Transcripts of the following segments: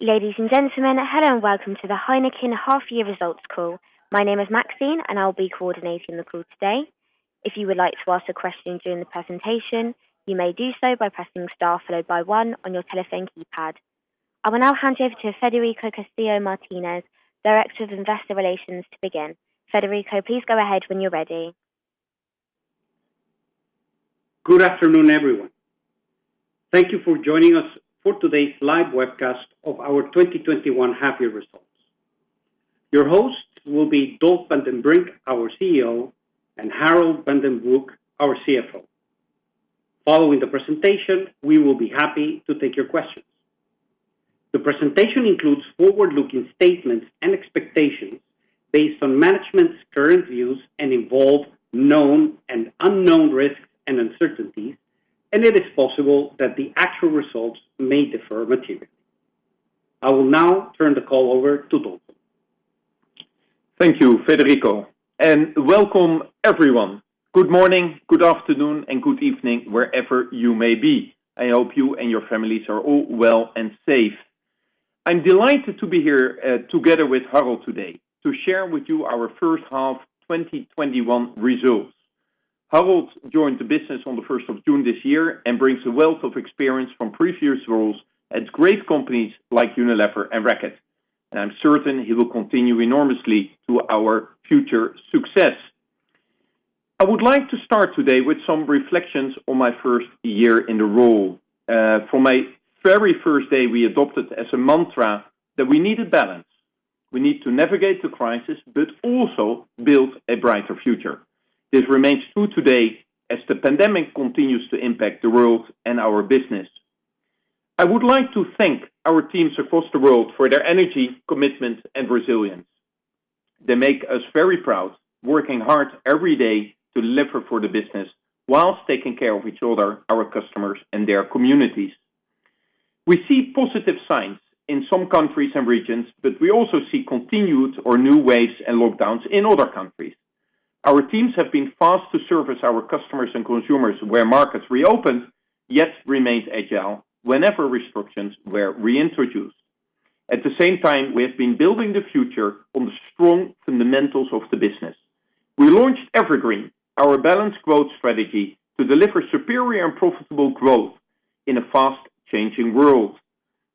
Ladies and gentlemen, hello and welcome to the Heineken Half Year Results call. My name is Maxine, and I'll be coordinating the call today. I will now hand you over to Federico Castillo Martinez, Director of Investor Relations to begin. Federico, please go ahead when you're ready. Good afternoon, everyone. Thank you for joining us for today's live webcast of our 2021 half year results. Your host will be Dolf van den Brink, our CEO, and Harold van den Broek, our CFO. Following the presentation, we will be happy to take your questions. The presentation includes forward-looking statements and expectations based on management's current views and involve known and unknown risks and uncertainties, and it is possible that the actual results may differ materially. I will now turn the call over to Dolf. Thank you, Federico, and welcome everyone. Good morning, good afternoon, and good evening, wherever you may be. I hope you and your families are all well and safe. I'm delighted to be here, together with Harald today to share with you our first half 2021 results. Harald joined the business on the 1st of June this year and brings a wealth of experience from previous roles at great companies like Unilever and Reckitt. I'm certain he will continue enormously to our future success. I would like to start today with some reflections on my first year in the role. From my very first day, we adopted as a mantra that we needed balance. We need to navigate the crisis, but also build a brighter future. This remains true today as the pandemic continues to impact the world and our business. I would like to thank our teams across the world for their energy, commitment, and resilience. They make us very proud, working hard every day to deliver for the business whilst taking care of each other, our customers, and their communities. We see positive signs in some countries and regions, but we also see continued or new waves and lockdowns in other countries. Our teams have been fast to service our customers and consumers where markets reopened, yet remained agile whenever restrictions were reintroduced. At the same time, we have been building the future on the strong fundamentals of the business. We launched EverGreen, our balanced growth strategy to deliver superior and profitable growth in a fast-changing world.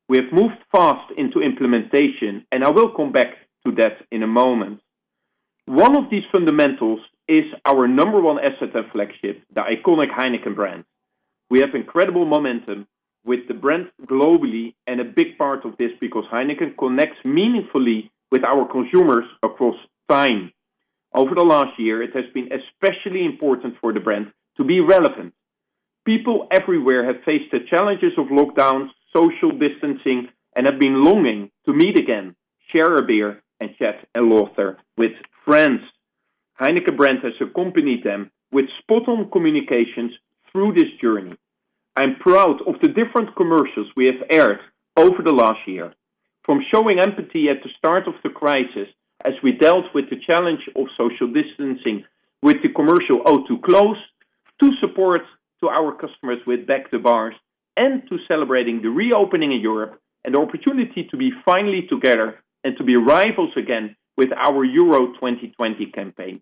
We have moved fast into implementation, and I will come back to that in a moment. One of these fundamentals is our number one asset and flagship, the iconic Heineken brand. We have incredible momentum with the brand globally, a big part of this because Heineken connects meaningfully with our consumers across time. Over the last year, it has been especially important for the brand to be relevant. People everywhere have faced the challenges of lockdowns, social distancing, have been longing to meet again, share a beer, and chat a lot there with friends. Heineken brand has accompanied them with spot on communications through this journey. I'm proud of the different commercials we have aired over the last year. From showing empathy at the start of the crisis as we dealt with the challenge of social distancing with the commercial, "Oh, Too Close", to support to our customers with Back to Bars, celebrating the reopening of Europe and the opportunity to be finally together and to be rivals again with our Euro 2020 campaign.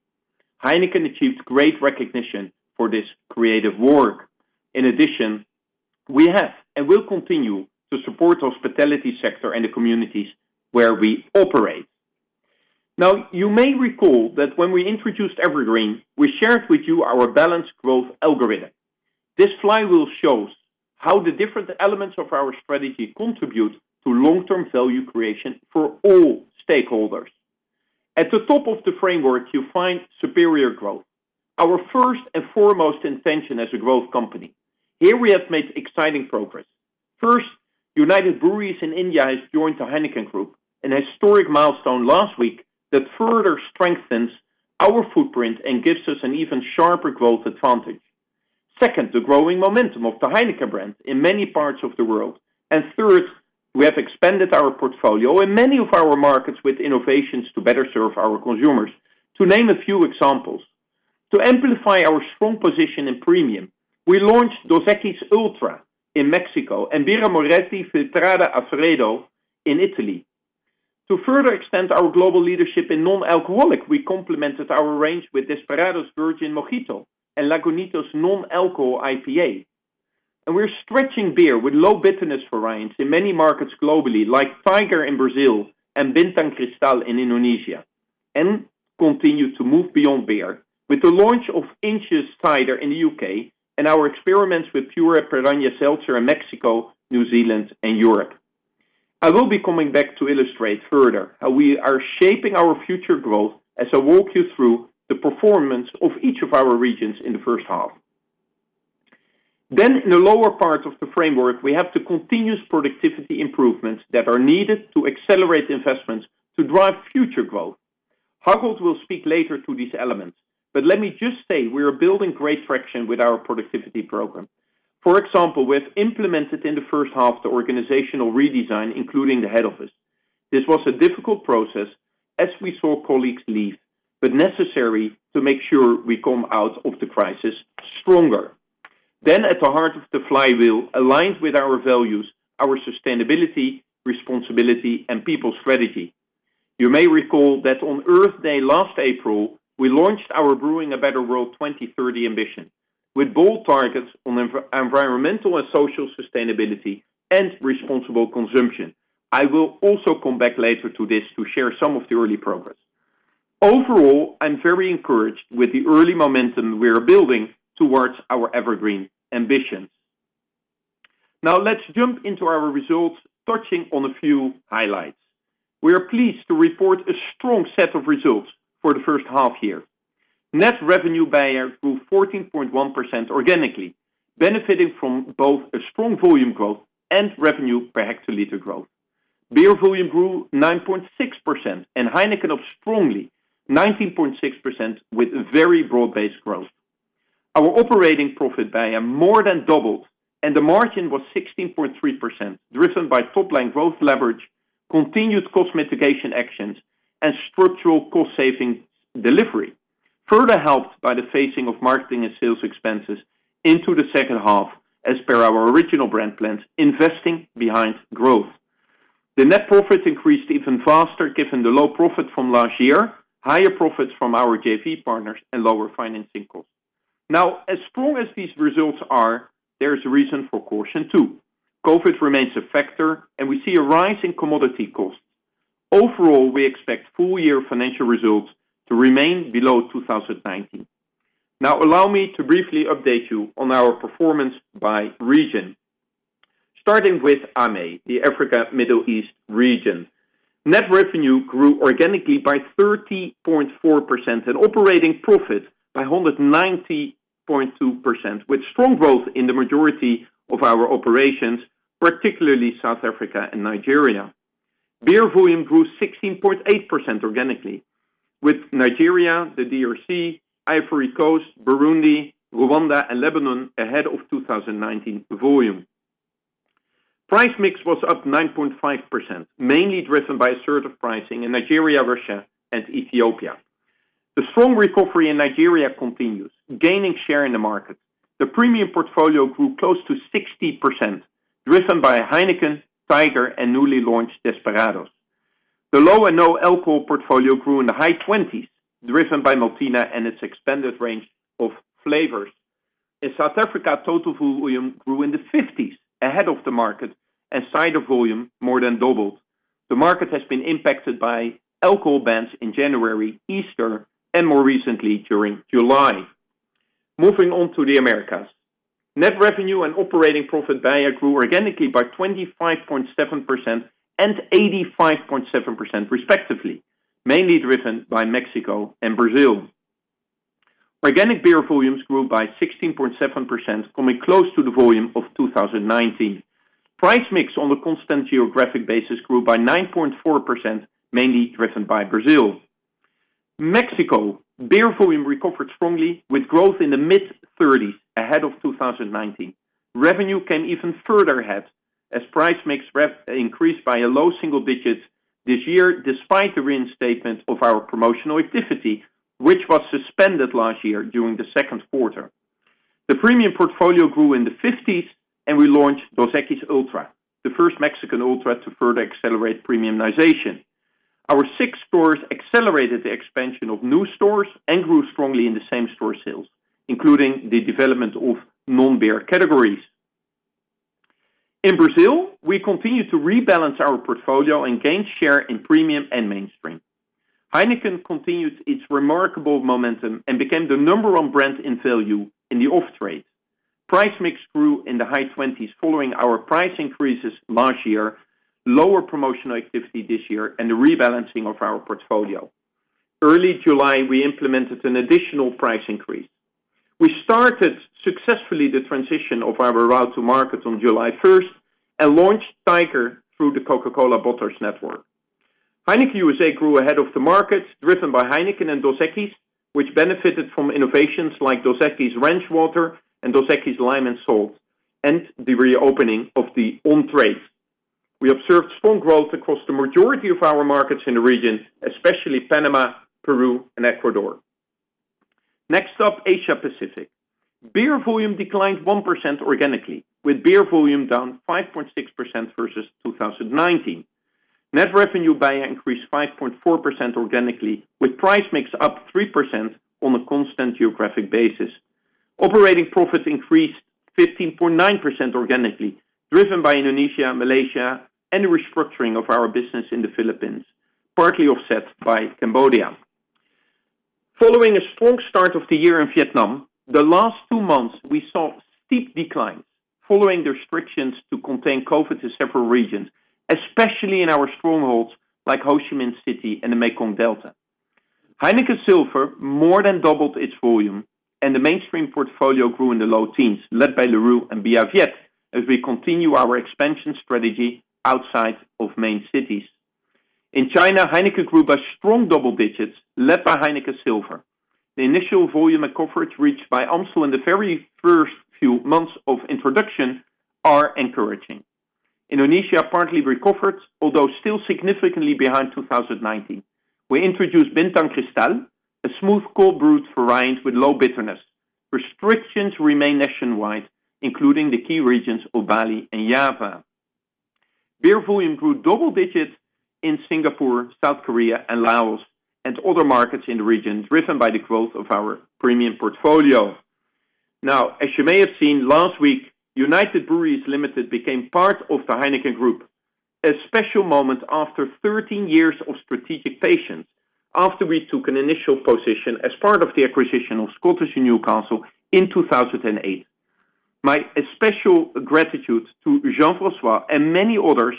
Heineken achieved great recognition for this creative work. In addition, we have and will continue to support hospitality sector and the communities where we operate. Now, you may recall that when we introduced EverGreen, we shared with you our balanced growth algorithm. This flywheel shows how the different elements of our strategy contribute to long-term value creation for all stakeholders. At the top of the framework, you find superior growth, our first and foremost intention as a growth company. Here we have made exciting progress. First, United Breweries in India has joined the Heineken Group, an historic milestone last week that further strengthens our footprint and gives us an even sharper growth advantage. Second, the growing momentum of the Heineken brand in many parts of the world. Third, we have expanded our portfolio in many of our markets with innovations to better serve our consumers. To name a few examples, to amplify our strong position in premium, we launched Dos Equis Ultra in Mexico and Birra Moretti Filtrata a Freddo in Italy. To further extend our global leadership in non-alcoholic, we complemented our range with Desperados Virgin Mojito and Lagunitas IPNA. We're stretching beer with low bitterness variants in many markets globally, like Tiger in Brazil and Bintang Crystal in Indonesia. Continue to move beyond beer with the launch of Inch's Cider in the U.K. and our experiments with Pure Piraña Seltzer in Mexico, New Zealand, and Europe. I will be coming back to illustrate further how we are shaping our future growth as I walk you through the performance of each of our regions in the first half. In the lower part of the framework, we have the continuous productivity improvements that are needed to accelerate investments to drive future growth. Harold will speak later to these elements, but let me just say we are building great traction with our productivity program. For example, we have implemented in the first half the organizational redesign, including the head office. This was a difficult process as we saw colleagues leave, but necessary to make sure we come out of the crisis stronger. At the heart of the flywheel, aligned with our values, our sustainability, responsibility, and people strategy. You may recall that on Earth Day last April, we launched our Brew a Better World 2030 ambition, with bold targets on environmental and social sustainability and responsible consumption. I will also come back later to this to share some of the early progress. Overall, I'm very encouraged with the early momentum we are building towards our EverGreen ambitions. Let's jump into our results, touching on a few highlights. We are pleased to report a strong set of results for the first half year. Net revenue beia grew 14.1% organically, benefiting from both a strong volume growth and revenue per hectoliter growth. Beer volume grew 9.6%, and Heineken up strongly 19.6% with very broad-based growth. Our operating profit beia more than doubled, and the margin was 16.3%, driven by top-line growth leverage, continued cost mitigation actions, and structural cost-saving delivery, further helped by the phasing of marketing and sales expenses into the second half as per our original brand plans, investing behind growth. The net profits increased even faster given the low profit from last year, higher profits from our JV partners, and lower financing costs. As strong as these results are, there's reason for caution, too. COVID remains a factor, and we see a rise in commodity costs. Overall, we expect full-year financial results to remain below 2019. Allow me to briefly update you on our performance by region. Starting with AME, the Africa Middle East region. Net revenue grew organically by 30.4% and operating profit by 190.2%, with strong growth in the majority of our operations, particularly South Africa and Nigeria. Beer volume grew 16.8% organically, with Nigeria, the DRC, Ivory Coast, Burundi, Rwanda, and Lebanon ahead of 2019 volume. Price mix was up 9.5%, mainly driven by assertive pricing in Nigeria, Russia, and Ethiopia. The strong recovery in Nigeria continues, gaining share in the market. The premium portfolio grew close to 60%, driven by Heineken, Tiger, and newly launched Desperados. The low and no alcohol portfolio grew in the high 20s, driven by Maltina and its expanded range of flavors. In South Africa, total volume grew in the 50s, ahead of the market, and cider volume more than doubled. The market has been impacted by alcohol bans in January, Easter, and more recently during July. Moving on to the Americas. Net revenue and operating profit beia grew organically by 25.7% and 85.7% respectively, mainly driven by Mexico and Brazil. Organic beer volumes grew by 16.7%, coming close to the volume of 2019. Price mix on a constant geographic basis grew by 9.4%, mainly driven by Brazil. Mexico, beer volume recovered strongly with growth in the mid-30s ahead of 2019. Revenue came even further ahead as price mix increased by a low single digits this year despite the reinstatement of our promotional activity, which was suspended last year during the second quarter. The premium portfolio grew in the 50s, and we launched Dos Equis Ultra, the first Mexican ultra to further accelerate premiumization. Our SIX stores accelerated the expansion of new stores and grew strongly in the same-store sales, including the development of non-beer categories. In Brazil, we continued to rebalance our portfolio and gain share in premium and mainstream. Heineken continued its remarkable momentum and became the number one brand in value in the off-trade. Price mix grew in the high 20s following our price increases last year, lower promotional activity this year, and the rebalancing of our portfolio. Early July, we implemented an additional price increase. We started successfully the transition of our route to market on July 1st and launched Tiger through the Coca-Cola bottlers network. Heineken USA grew ahead of the market, driven by Heineken and Dos Equis, which benefited from innovations like Dos Equis Ranch Water and Dos Equis Lime & Salt, and the reopening of the on-trade. We observed strong growth across the majority of our markets in the region, especially Panama, Peru, and Ecuador. Next up, Asia Pacific. Beer volume declined 1% organically, with beer volume down 5.6% versus 2019. Net revenue beia increased 5.4% organically, with price mix up 3% on a constant geographic basis. Operating profit increased 15.9% organically, driven by Indonesia, Malaysia, and the restructuring of our business in the Philippines, partly offset by Cambodia. Following a strong start of the year in Vietnam, the last two months, we saw steep declines following the restrictions to contain COVID to several regions, especially in our strongholds like Ho Chi Minh City and the Mekong Delta. Heineken Silver more than doubled its volume, and the mainstream portfolio grew in the low teens, led by Larue and Bia Viet as we continue our expansion strategy outside of main cities. In China, Heineken grew by strong double digits, led by Heineken Silver. The initial volume and coverage reached by Amstel in the very first few months of introduction are encouraging. Indonesia partly recovered, although still significantly behind 2019. We introduced Bintang Crystal, a smooth, cold brewed variant with low bitterness. Restrictions remain nationwide, including the key regions of Bali and Java. Beer volume grew double digits in Singapore, South Korea, and Laos, and other markets in the region, driven by the growth of our premium portfolio. As you may have seen, last week, United Breweries Limited became part of the Heineken group. A special moment after 13 years of strategic patience, after we took an initial position as part of the acquisition of Scottish & Newcastle in 2008. My especial gratitude to Jean-François and many others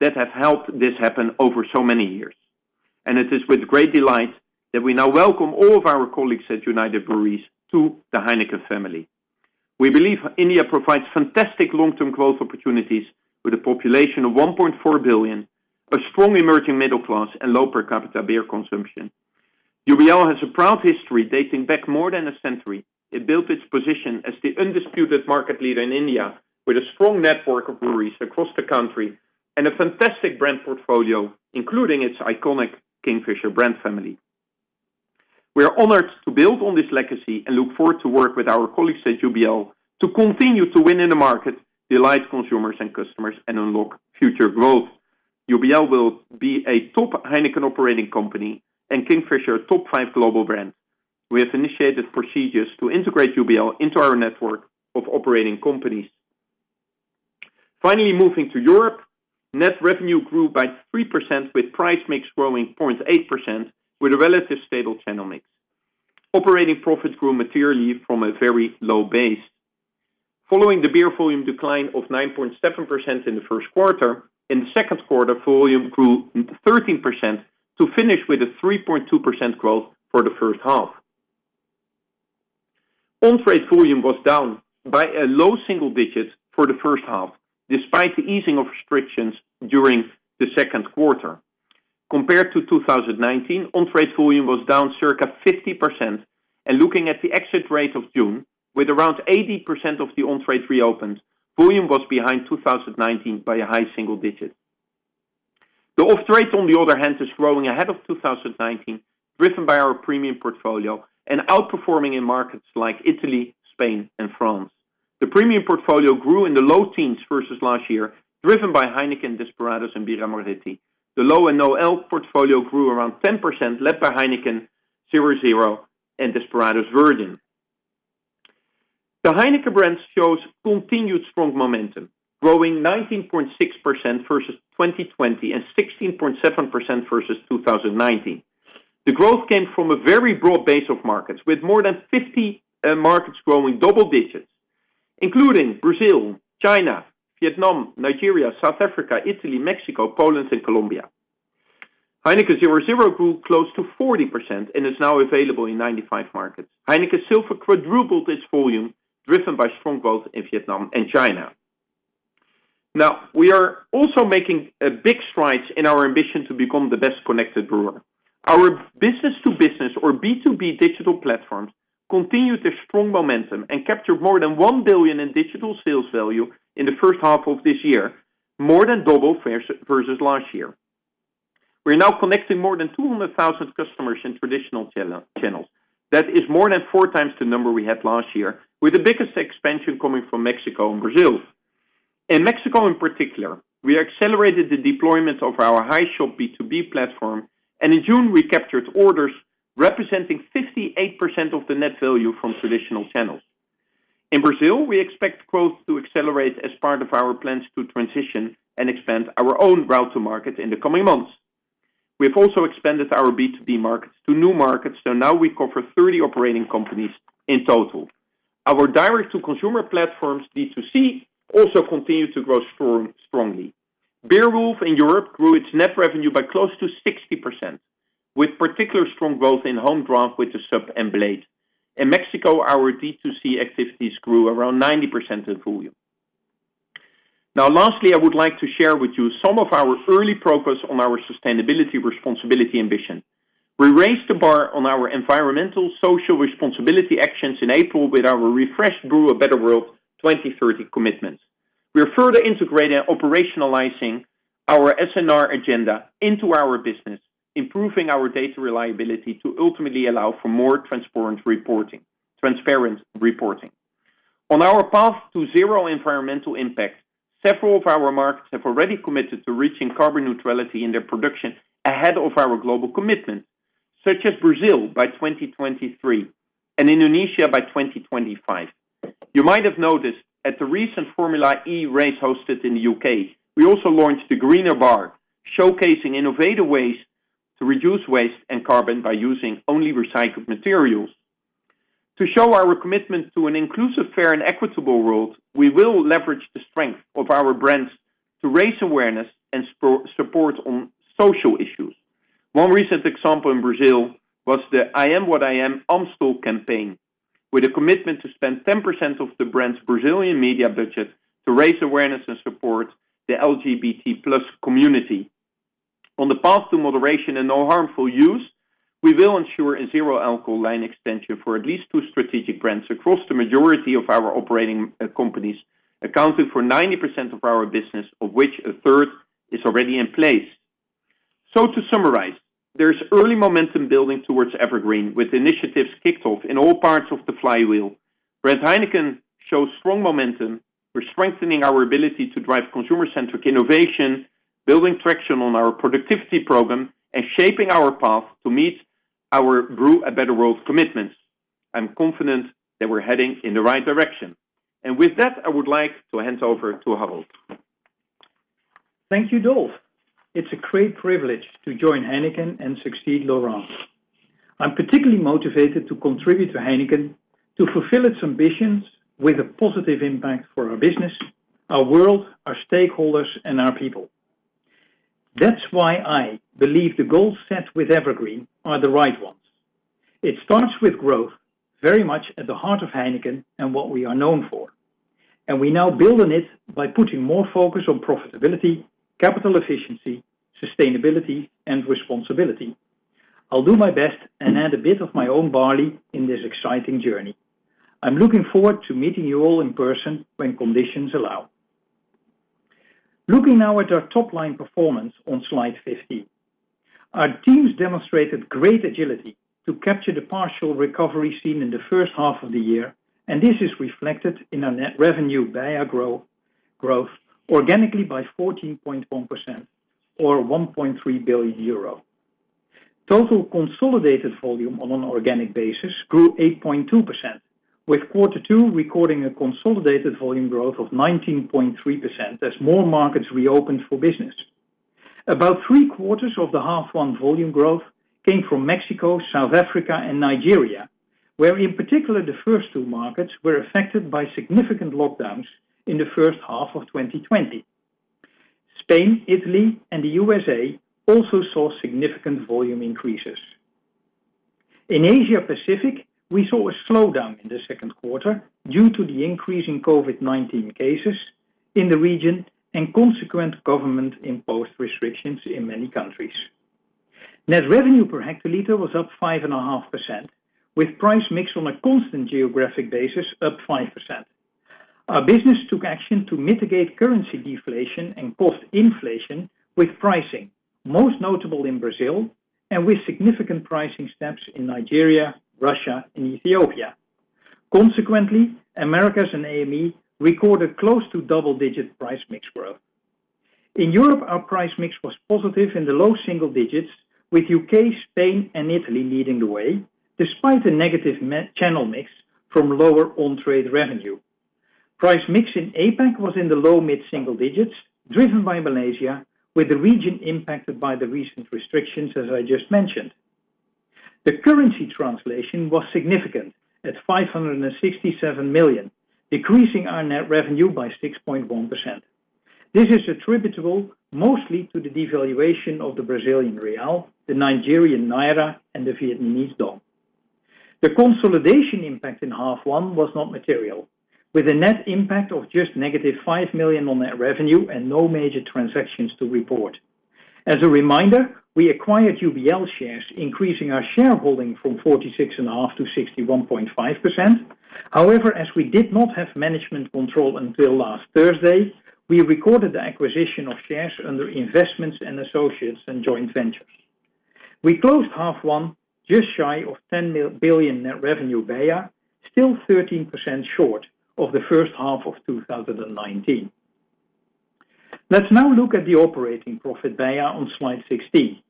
that have helped this happen over so many years. It is with great delight that we now welcome all of our colleagues at United Breweries to the Heineken family. We believe India provides fantastic long-term growth opportunities with a population of 1.4 billion, a strong emerging middle class, and low per capita beer consumption. UBL has a proud history dating back more than a century. It built its position as the undisputed market leader in India with a strong network of breweries across the country and a fantastic brand portfolio, including its iconic Kingfisher brand family. We are honored to build on this legacy and look forward to work with our colleagues at UBL to continue to win in the market, delight consumers and customers, and unlock future growth. UBL will be a top Heineken operating company and Kingfisher a top five global brand. We have initiated procedures to integrate UBL into our network of operating companies. Finally, moving to Europe, net revenue grew by 3%, with price mix growing 0.8% with a relatively stable channel mix. Operating profits grew materially from a very low base. Following the beer volume decline of 9.7% in the first quarter, in the second quarter, volume grew 13% to finish with a 3.2% growth for the first half. On-trade volume was down by low single digits for the first half, despite the easing of restrictions during the second quarter. Compared to 2019, on-trade volume was down circa 50%, and looking at the exit rate of June, with around 80% of the on-trade reopened, volume was behind 2019 by a high single digit. The off-trade, on the other hand, is growing ahead of 2019, driven by our premium portfolio and outperforming in markets like Italy, Spain, and France. The premium portfolio grew in the low teens versus last year, driven by Heineken, Desperados, and Birra Moretti. The low and no-alc. portfolio grew around 10%, led by Heineken 0.0 and Desperados Virgin. The Heineken brand shows continued strong momentum, growing 19.6% versus 2020 and 16.7% versus 2019. The growth came from a very broad base of markets, with more than 50 markets growing double digits, including Brazil, China, Vietnam, Nigeria, South Africa, Italy, Mexico, Poland, and Colombia. Heineken 0.0 grew close to 40% and is now available in 95 markets. Heineken Silver quadrupled its volume, driven by strong growth in Vietnam and China. Now, we are also making big strides in our ambition to become the best-connected brewer. Our business-to-business, or B2B digital platforms, continued their strong momentum and captured more than 1 billion in digital sales value in the first half of this year, more than double versus last year. We are now connecting more than 200,000 customers in traditional channels. That is more than four times the number we had last year, with the biggest expansion coming from Mexico and Brazil. In Mexico in particular, we accelerated the deployment of our HeiShop B2B platform, and in June, we captured orders representing 58% of the net value from traditional channels. In Brazil, we expect growth to accelerate as part of our plans to transition and expand our own route to market in the coming months. We have also expanded our B2B markets to new markets, so now we cover 30 operating companies in total. Our direct-to-consumer platforms, D2C, also continue to grow strongly. Beerwulf in Europe grew its net revenue by close to 60%, with particular strong growth in home draft with The Sub and Blade. In Mexico, our D2C activities grew around 90% in volume. Now, lastly, I would like to share with you some of our early progress on our sustainability responsibility ambition. We raised the bar on our environmental social responsibility actions in April with our refreshed Brew a Better World 2030 commitment. We are further integrating and operationalizing our S&R agenda into our business, improving our data reliability to ultimately allow for more transparent reporting. On our path to zero environmental impact, several of our markets have already committed to reaching carbon neutrality in their production ahead of our global commitment, such as Brazil by 2023 and Indonesia by 2025. You might have noticed at the recent Formula E race hosted in the U.K., we also launched the greener bar, showcasing innovative ways to reduce waste and carbon by using only recycled materials. To show our commitment to an inclusive, fair, and equitable world, we will leverage the strength of our brands to raise awareness and support on social issues. One recent example in Brazil was the I Am What I Am Amstel campaign, with a commitment to spend 10% of the brand's Brazilian media budget to raise awareness and support the LGBT+ community. On the path to moderation and no harmful use, we will ensure a zero alcohol line extension for at least two strategic brands across the majority of our operating companies, accounting for 90% of our business, of which a third is already in place. To summarize, there's early momentum building towards EverGreen, with initiatives kicked off in all parts of the flywheel. Brand Heineken shows strong momentum. We're strengthening our ability to drive consumer-centric innovation, building traction on our productivity program, and shaping our path to meet our Brew A Better World commitments. I'm confident that we're heading in the right direction. With that, I would like to hand over to Harold. Thank you, Dolf. It's a great privilege to join Heineken and succeed Laurent. I'm particularly motivated to contribute to Heineken to fulfill its ambitions with a positive impact for our business, our world, our stakeholders, and our people. That's why I believe the goals set with EverGreen are the right ones. It starts with growth, very much at the heart of Heineken, and what we are known for. We now build on it by putting more focus on profitability, capital efficiency, sustainability, and responsibility. I'll do my best and add a bit of my own barley in this exciting journey. I'm looking forward to meeting you all in person when conditions allow. Looking now at our top-line performance on slide 15. Our teams demonstrated great agility to capture the partial recovery seen in the first half of the year, and this is reflected in our net revenue BEIA growth, organically by 14.1% or 1.3 billion euro. Total consolidated volume on an organic basis grew 8.2%, with quarter two recording a consolidated volume growth of 19.3% as more markets reopened for business. About three-quarters of the half one volume growth came from Mexico, South Africa, and Nigeria, where in particular, the first two markets were affected by significant lockdowns in the first half of 2020. Spain, Italy, and the U.S. also saw significant volume increases. In Asia Pacific, we saw a slowdown in the second quarter due to the increase in COVID-19 cases in the region and consequent government-imposed restrictions in many countries. Net revenue per hectoliter was up 5.5%, with price mix on a constant geographic basis up 5%. Our business took action to mitigate currency deflation and cost inflation with pricing, most notable in Brazil and with significant pricing steps in Nigeria, Russia, and Ethiopia. Consequently, Americas and AME recorded close to double-digit price mix growth. In Europe, our price mix was positive in the low single digits with UK, Spain, and Italy leading the way, despite a negative channel mix from lower on-trade revenue. Price mix in APAC was in the low mid-single digits, driven by Malaysia, with the region impacted by the recent restrictions, as I just mentioned. The currency translation was significant at 567 million, decreasing our net revenue by 6.1%. This is attributable mostly to the devaluation of the Brazilian real, the Nigerian naira, and the Vietnamese dong. The consolidation impact in half one was not material, with a net impact of just negative 5 million on net revenue and no major transactions to report. As a reminder, we acquired UBL shares, increasing our shareholding from 46.5%-61.5%. However, as we did not have management control until last Thursday, we recorded the acquisition of shares under investments and associates and joint ventures. We closed half one just shy of 10 billion net revenue BEIA, still 13% short of the first half of 2019. Let's now look at the operating profit BEIA on slide 16.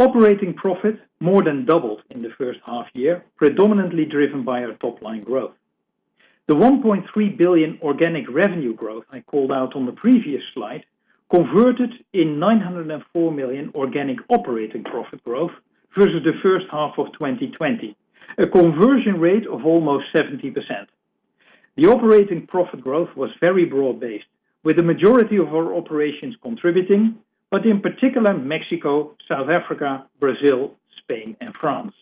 Operating profit more than doubled in the first half year, predominantly driven by our top-line growth. The 1.3 billion organic revenue growth I called out on the previous slide converted in 904 million organic operating profit growth versus the first half of 2020, a conversion rate of almost 70%. The operating profit growth was very broad-based, with the majority of our operations contributing, but in particular Mexico, South Africa, Brazil, Spain, and France.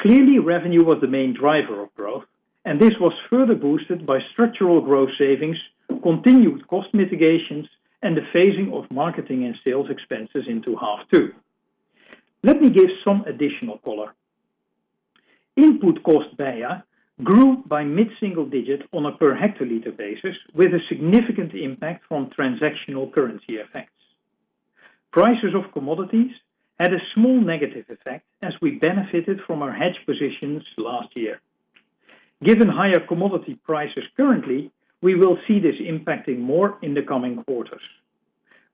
Clearly, revenue was the main driver of growth, and this was further boosted by structural growth savings, continued cost mitigations, and the phasing of marketing and sales expenses into half two. Let me give some additional color. Input cost BEIA grew by mid-single digits on a per hectoliter basis, with a significant impact from transactional currency effects. Prices of commodities had a small negative effect as we benefited from our hedge positions last year. Given higher commodity prices currently, we will see this impacting more in the coming quarters.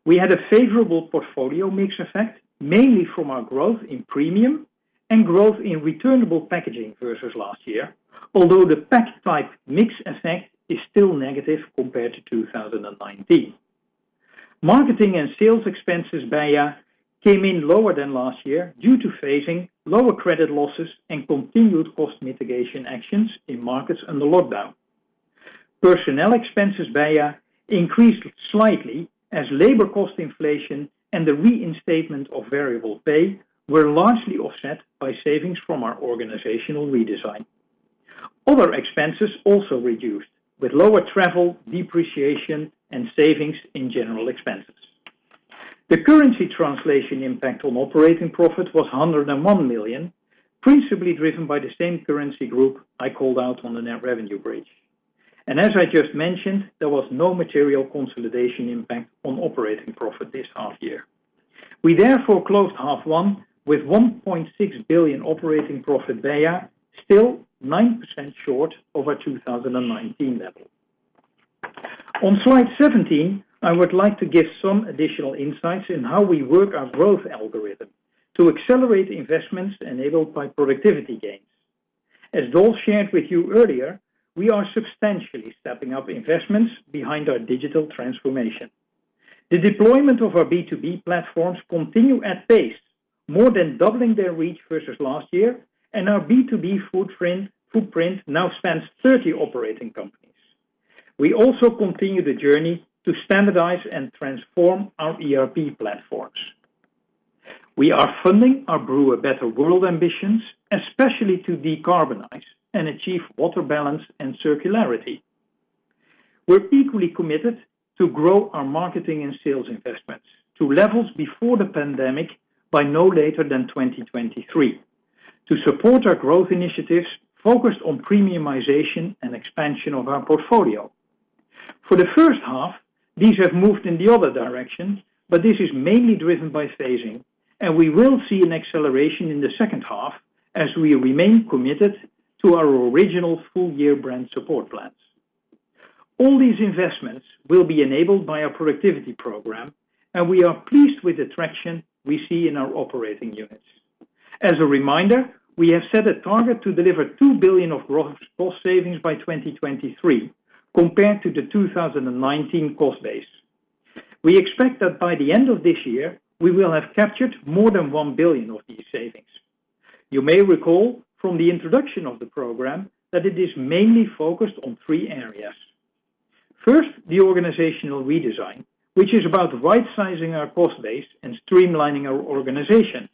We had a favorable portfolio mix effect, mainly from our growth in premium and growth in returnable packaging versus last year, although the pack type mix effect is still negative compared to 2019. Marketing and sales expenses BEIA came in lower than last year due to phasing, lower credit losses, and continued cost mitigation actions in markets under lockdown. Personnel expenses BEIA increased slightly as labor cost inflation and the reinstatement of variable pay were largely offset by savings from our organizational redesign. Other expenses also reduced with lower travel, depreciation, and savings in general expenses. The currency translation impact on operating profit was 101 million, principally driven by the same currency group I called out on the net revenue bridge. As I just mentioned, there was no material consolidation impact on operating profit this half year. We therefore closed half one with 1.6 billion operating profit BEIA, still 9% short of our 2019 level. On slide 17, I would like to give some additional insights in how we work our growth algorithm to accelerate investments enabled by productivity gains. Dolf shared with you earlier, we are substantially stepping up investments behind our digital transformation. The deployment of our B2B platforms continue at pace, more than doubling their reach versus last year, and our B2B footprint now spans 30 operating companies. We also continue the journey to standardize and transform our ERP platforms. We are funding our Brew a Better World ambitions, especially to decarbonize and achieve water balance and circularity. We're equally committed to grow our marketing and sales investments to levels before the pandemic by no later than 2023 to support our growth initiatives focused on premiumization and expansion of our portfolio. For the first half, these have moved in the other direction, but this is mainly driven by phasing, and we will see an acceleration in the second half as we remain committed to our original full-year brand support plans. All these investments will be enabled by our productivity program, and we are pleased with the traction we see in our operating units. As a reminder, we have set a target to deliver 2 billion of gross cost savings by 2023 compared to the 2019 cost base. We expect that by the end of this year, we will have captured more than 1 billion of these savings. You may recall from the introduction of the program that it is mainly focused on three areas. First, the organizational redesign, which is about right-sizing our cost base and streamlining our organization.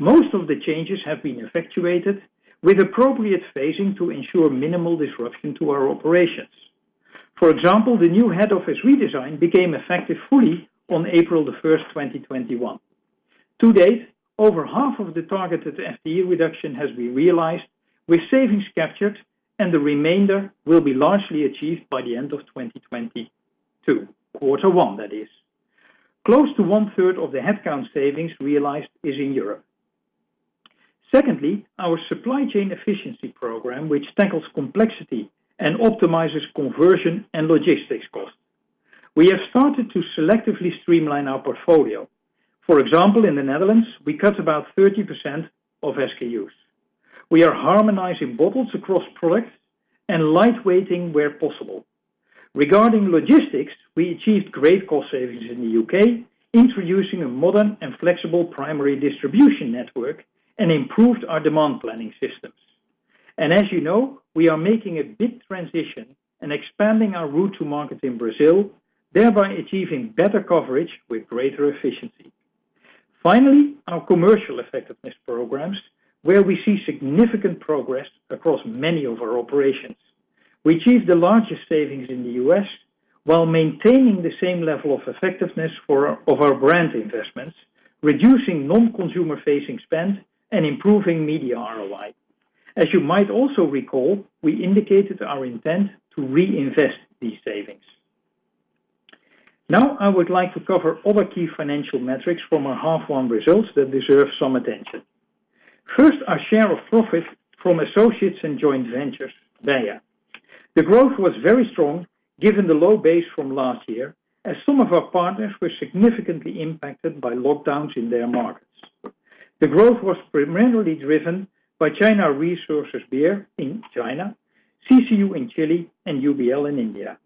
Most of the changes have been effectuated with appropriate phasing to ensure minimal disruption to our operations. For example, the new head office redesign became effective fully on April 1st, 2021. To date, over half of the targeted FTE reduction has been realized with savings captured, and the remainder will be largely achieved by the end of 2022, quarter one that is. Close to one-third of the headcount savings realized is in Europe. Secondly, our supply chain efficiency program, which tackles complexity and optimizes conversion and logistics costs. We have started to selectively streamline our portfolio. For example, in the Netherlands, we cut about 30% of SKUs. We are harmonizing bottles across products and lightweighting where possible. Regarding logistics, we achieved great cost savings in the U.K., introducing a modern and flexible primary distribution network and improved our demand planning systems. As you know, we are making a big transition and expanding our route to market in Brazil, thereby achieving better coverage with greater efficiency. Finally, our commercial effectiveness programs, where we see significant progress across many of our operations. We achieved the largest savings in the U.S. while maintaining the same level of effectiveness of our brand investments, reducing non-consumer facing spend, and improving media ROI. As you might also recall, we indicated our intent to reinvest these savings. Now, I would like to cover other key financial metrics from our half one results that deserve some attention. First, our share of profit from associates and joint ventures, BEIA. The growth was very strong given the low base from last year, as some of our partners were significantly impacted by lockdowns in their markets. The growth was primarily driven by China Resources Beer in China, CCU in Chile, and UBL in India.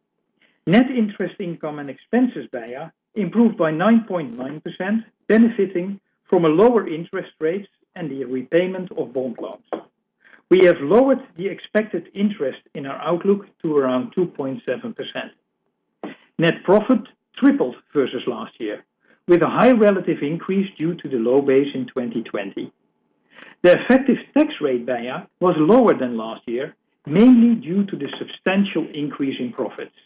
Net interest income and expenses BEIA improved by 9.9%, benefiting from a lower interest rates and the repayment of bond loans. We have lowered the expected interest in our outlook to around 2.7%. Net profit tripled versus last year, with a high relative increase due to the low base in 2020. The effective tax rate BEIA was lower than last year, mainly due to the substantial increase in profits.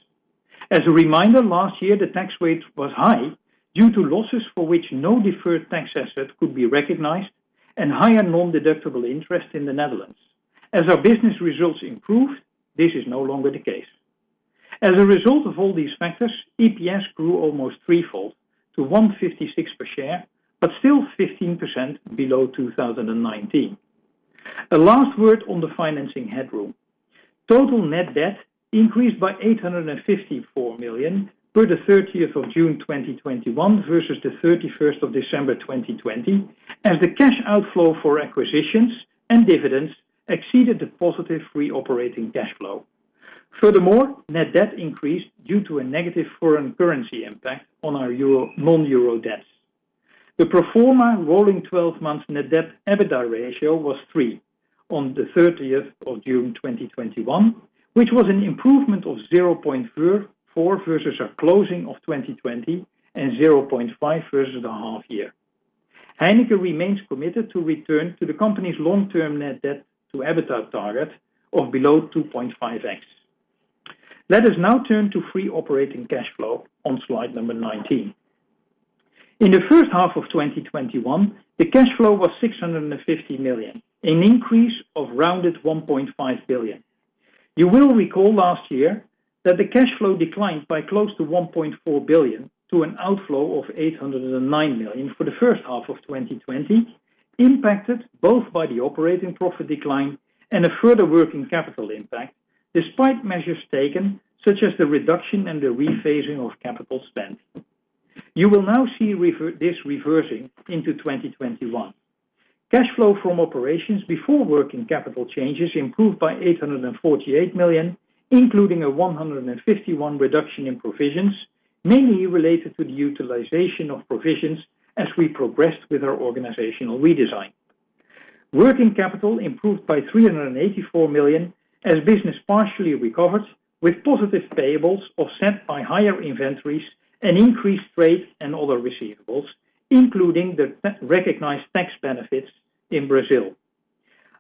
As a reminder, last year, the tax rate was high due to losses for which no deferred tax asset could be recognized and higher non-deductible interest in the Netherlands. As our business results improved, this is no longer the case. As a result of all these factors, EPS grew almost threefold to 156 per share, but still 15% below 2019. A last word on the financing headroom. Total net debt increased by 854 million through the 30th of June 2021 versus the 31st of December 2020, as the cash outflow for acquisitions and dividends exceeded the positive free operating cash flow. Net debt increased due to a negative foreign currency impact on our non-euro debts. The pro forma rolling 12 months net debt EBITDA ratio was three on the 30th of June 2021, which was an improvement of 0.4 versus our closing of 2020 and 0.5 versus the half year. Heineken remains committed to return to the company's long-term net debt to EBITDA target of below 2.5x. Let us now turn to free operating cash flow on slide number 19. In the first half of 2021, the cash flow was 650 million, an increase of rounded 1.5 billion. You will recall last year that the cash flow declined by close to 1.4 billion, to an outflow of 809 million for the first half of 2020, impacted both by the operating profit decline and a further working capital impact, despite measures taken, such as the reduction and the rephasing of capital spend. You will now see this reversing into 2021. Cash flow from operations before working capital changes improved by 848 million, including a 151 reduction in provisions, mainly related to the utilization of provisions as we progressed with our organizational redesign. Working capital improved by 384 million, as business partially recovered, with positive payables offset by higher inventories and increased trade and other receivables, including the recognized tax benefits in Brazil.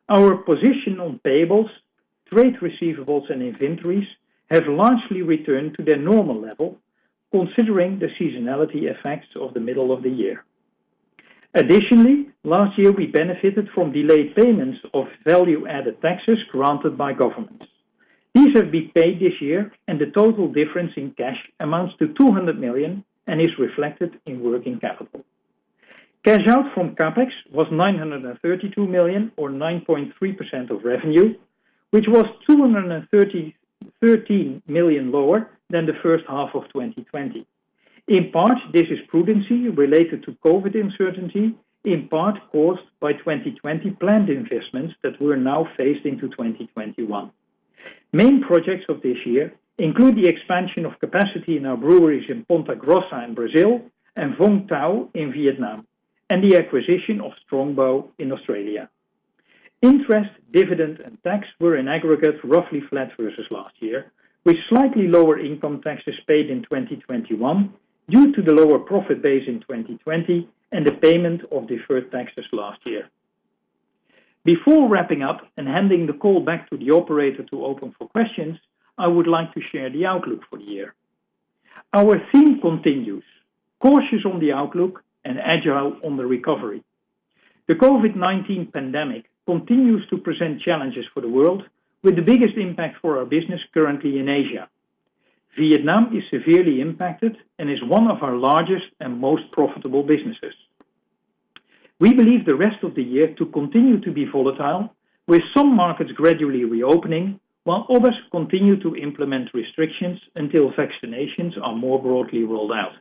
Our position on payables, trade receivables, and inventories have largely returned to their normal level considering the seasonality effects of the middle of the year. Additionally, last year, we benefited from delayed payments of value-added taxes granted by governments. These have been paid this year, and the total difference in cash amounts to 200 million and is reflected in working capital. Cash out from CapEx was 932 million or 9.3% of revenue, which was 213 million lower than the first half of 2020. In part, this is prudency related to COVID uncertainty, in part caused by 2020 planned investments that were now phased into 2021. Main projects of this year include the expansion of capacity in our breweries in Ponta Grossa in Brazil and Vung Tau in Vietnam, and the acquisition of Strongbow in Australia. Interest, dividend, and tax were in aggregate, roughly flat versus last year, with slightly lower income taxes paid in 2021 due to the lower profit base in 2020 and the payment of deferred taxes last year. Before wrapping up and handing the call back to the operator to open for questions, I would like to share the outlook for the year. Our theme continues, cautious on the outlook and agile on the recovery. The COVID-19 pandemic continues to present challenges for the world, with the biggest impact for our business currently in Asia. Vietnam is severely impacted and is one of our largest and most profitable businesses. We believe the rest of the year to continue to be volatile, with some markets gradually reopening while others continue to implement restrictions until vaccinations are more broadly rolled out.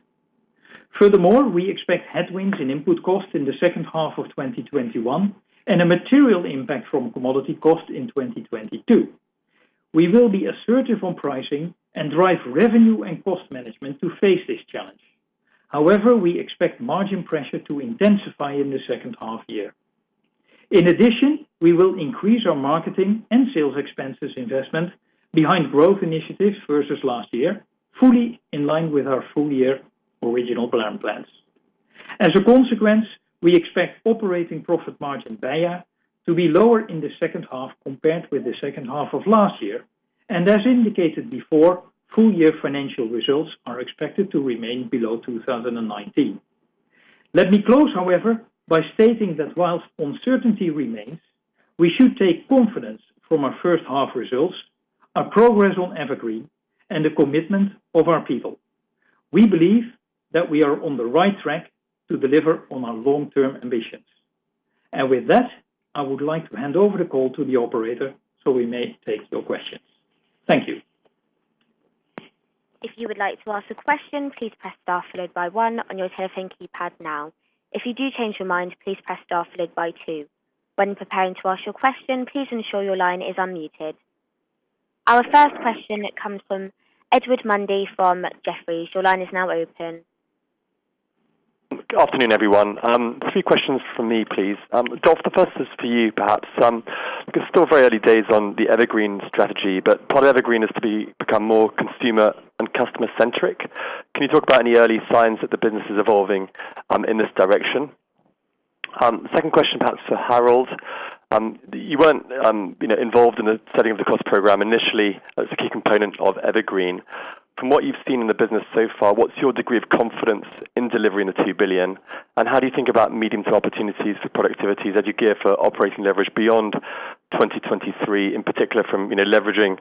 We expect headwinds in input costs in the second half of 2021 and a material impact from commodity costs in 2022. We will be assertive on pricing and drive revenue and cost management to face this challenge. We expect margin pressure to intensify in the second half year. We will increase our marketing and sales expenses investment behind growth initiatives versus last year, fully in line with our full-year original plans. As a consequence, we expect operating profit margin, BEIA, to be lower in the second half compared with the second half of last year. As indicated before, full-year financial results are expected to remain below 2019. Let me close, however, by stating that while uncertainty remains, we should take confidence from our first half results, our progress on EverGreen, and the commitment of our people. We believe that we are on the right track to deliver on our long-term ambitions. With that, I would like to hand over the call to the operator so we may take your questions. Thank you. If you would like to ask a question, please press star followed by one on your telephone keypad now. If you do change your mind, please press star followed by two. When preparing to ask your question, please ensure that your line is unmuted. Our first question comes from Edward Mundy from Jefferies. Your line is now open. Good afternoon, everyone. Three questions from me, please. Dolf, the first is for you, perhaps. It's still very early days on the EverGreen strategy, but part of EverGreen is to become more consumer and customer-centric. Can you talk about any early signs that the business is evolving in this direction? Second question, perhaps for Harald. You weren't involved in the setting of the cost program initially as a key component of EverGreen. From what you've seen in the business so far, what's your degree of confidence in delivering the 2 billion, and how do you think about medium-term opportunities for productivities as you gear for operating leverage beyond 2023, in particular from leveraging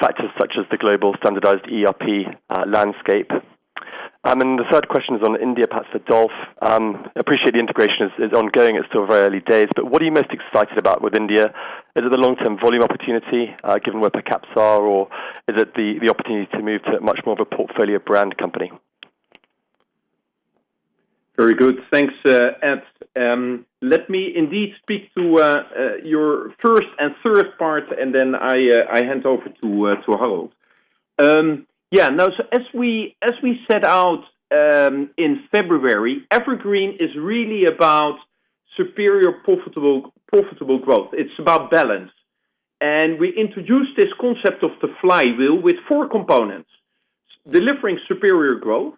factors such as the global standardized ERP landscape? the third question is on India, perhaps for Dolf. I appreciate the integration is ongoing. It's still very early days, but what are you most excited about with India? Is it the long-term volume opportunity, given where per caps are, or is it the opportunity to move to much more of a portfolio brand company? Very good. Thanks, Ed. Let me indeed speak to your first and third part, and then I hand over to Harold. As we set out in February, EverGreen is really about superior profitable growth. It's about balance. We introduced this concept of the flywheel with four components. Delivering superior growth,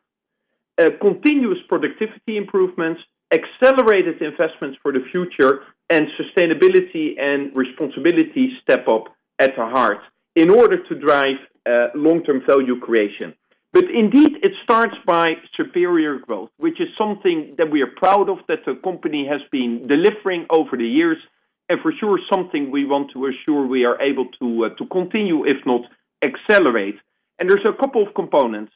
continuous productivity improvements, accelerated investments for the future, and sustainability and responsibility step up at our heart in order to drive long-term value creation. Indeed, it starts by superior growth, which is something that we are proud of, that the company has been delivering over the years, and for sure, something we want to assure we are able to continue, if not accelerate. There's a couple of components.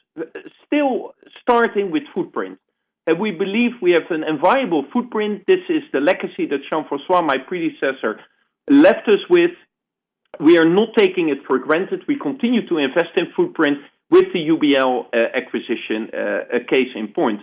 Still starting with footprint. We believe we have an enviable footprint. This is the legacy that Jean-François, my predecessor, left us with. We are not taking it for granted. We continue to invest in footprint with the UBL acquisition, a case in point.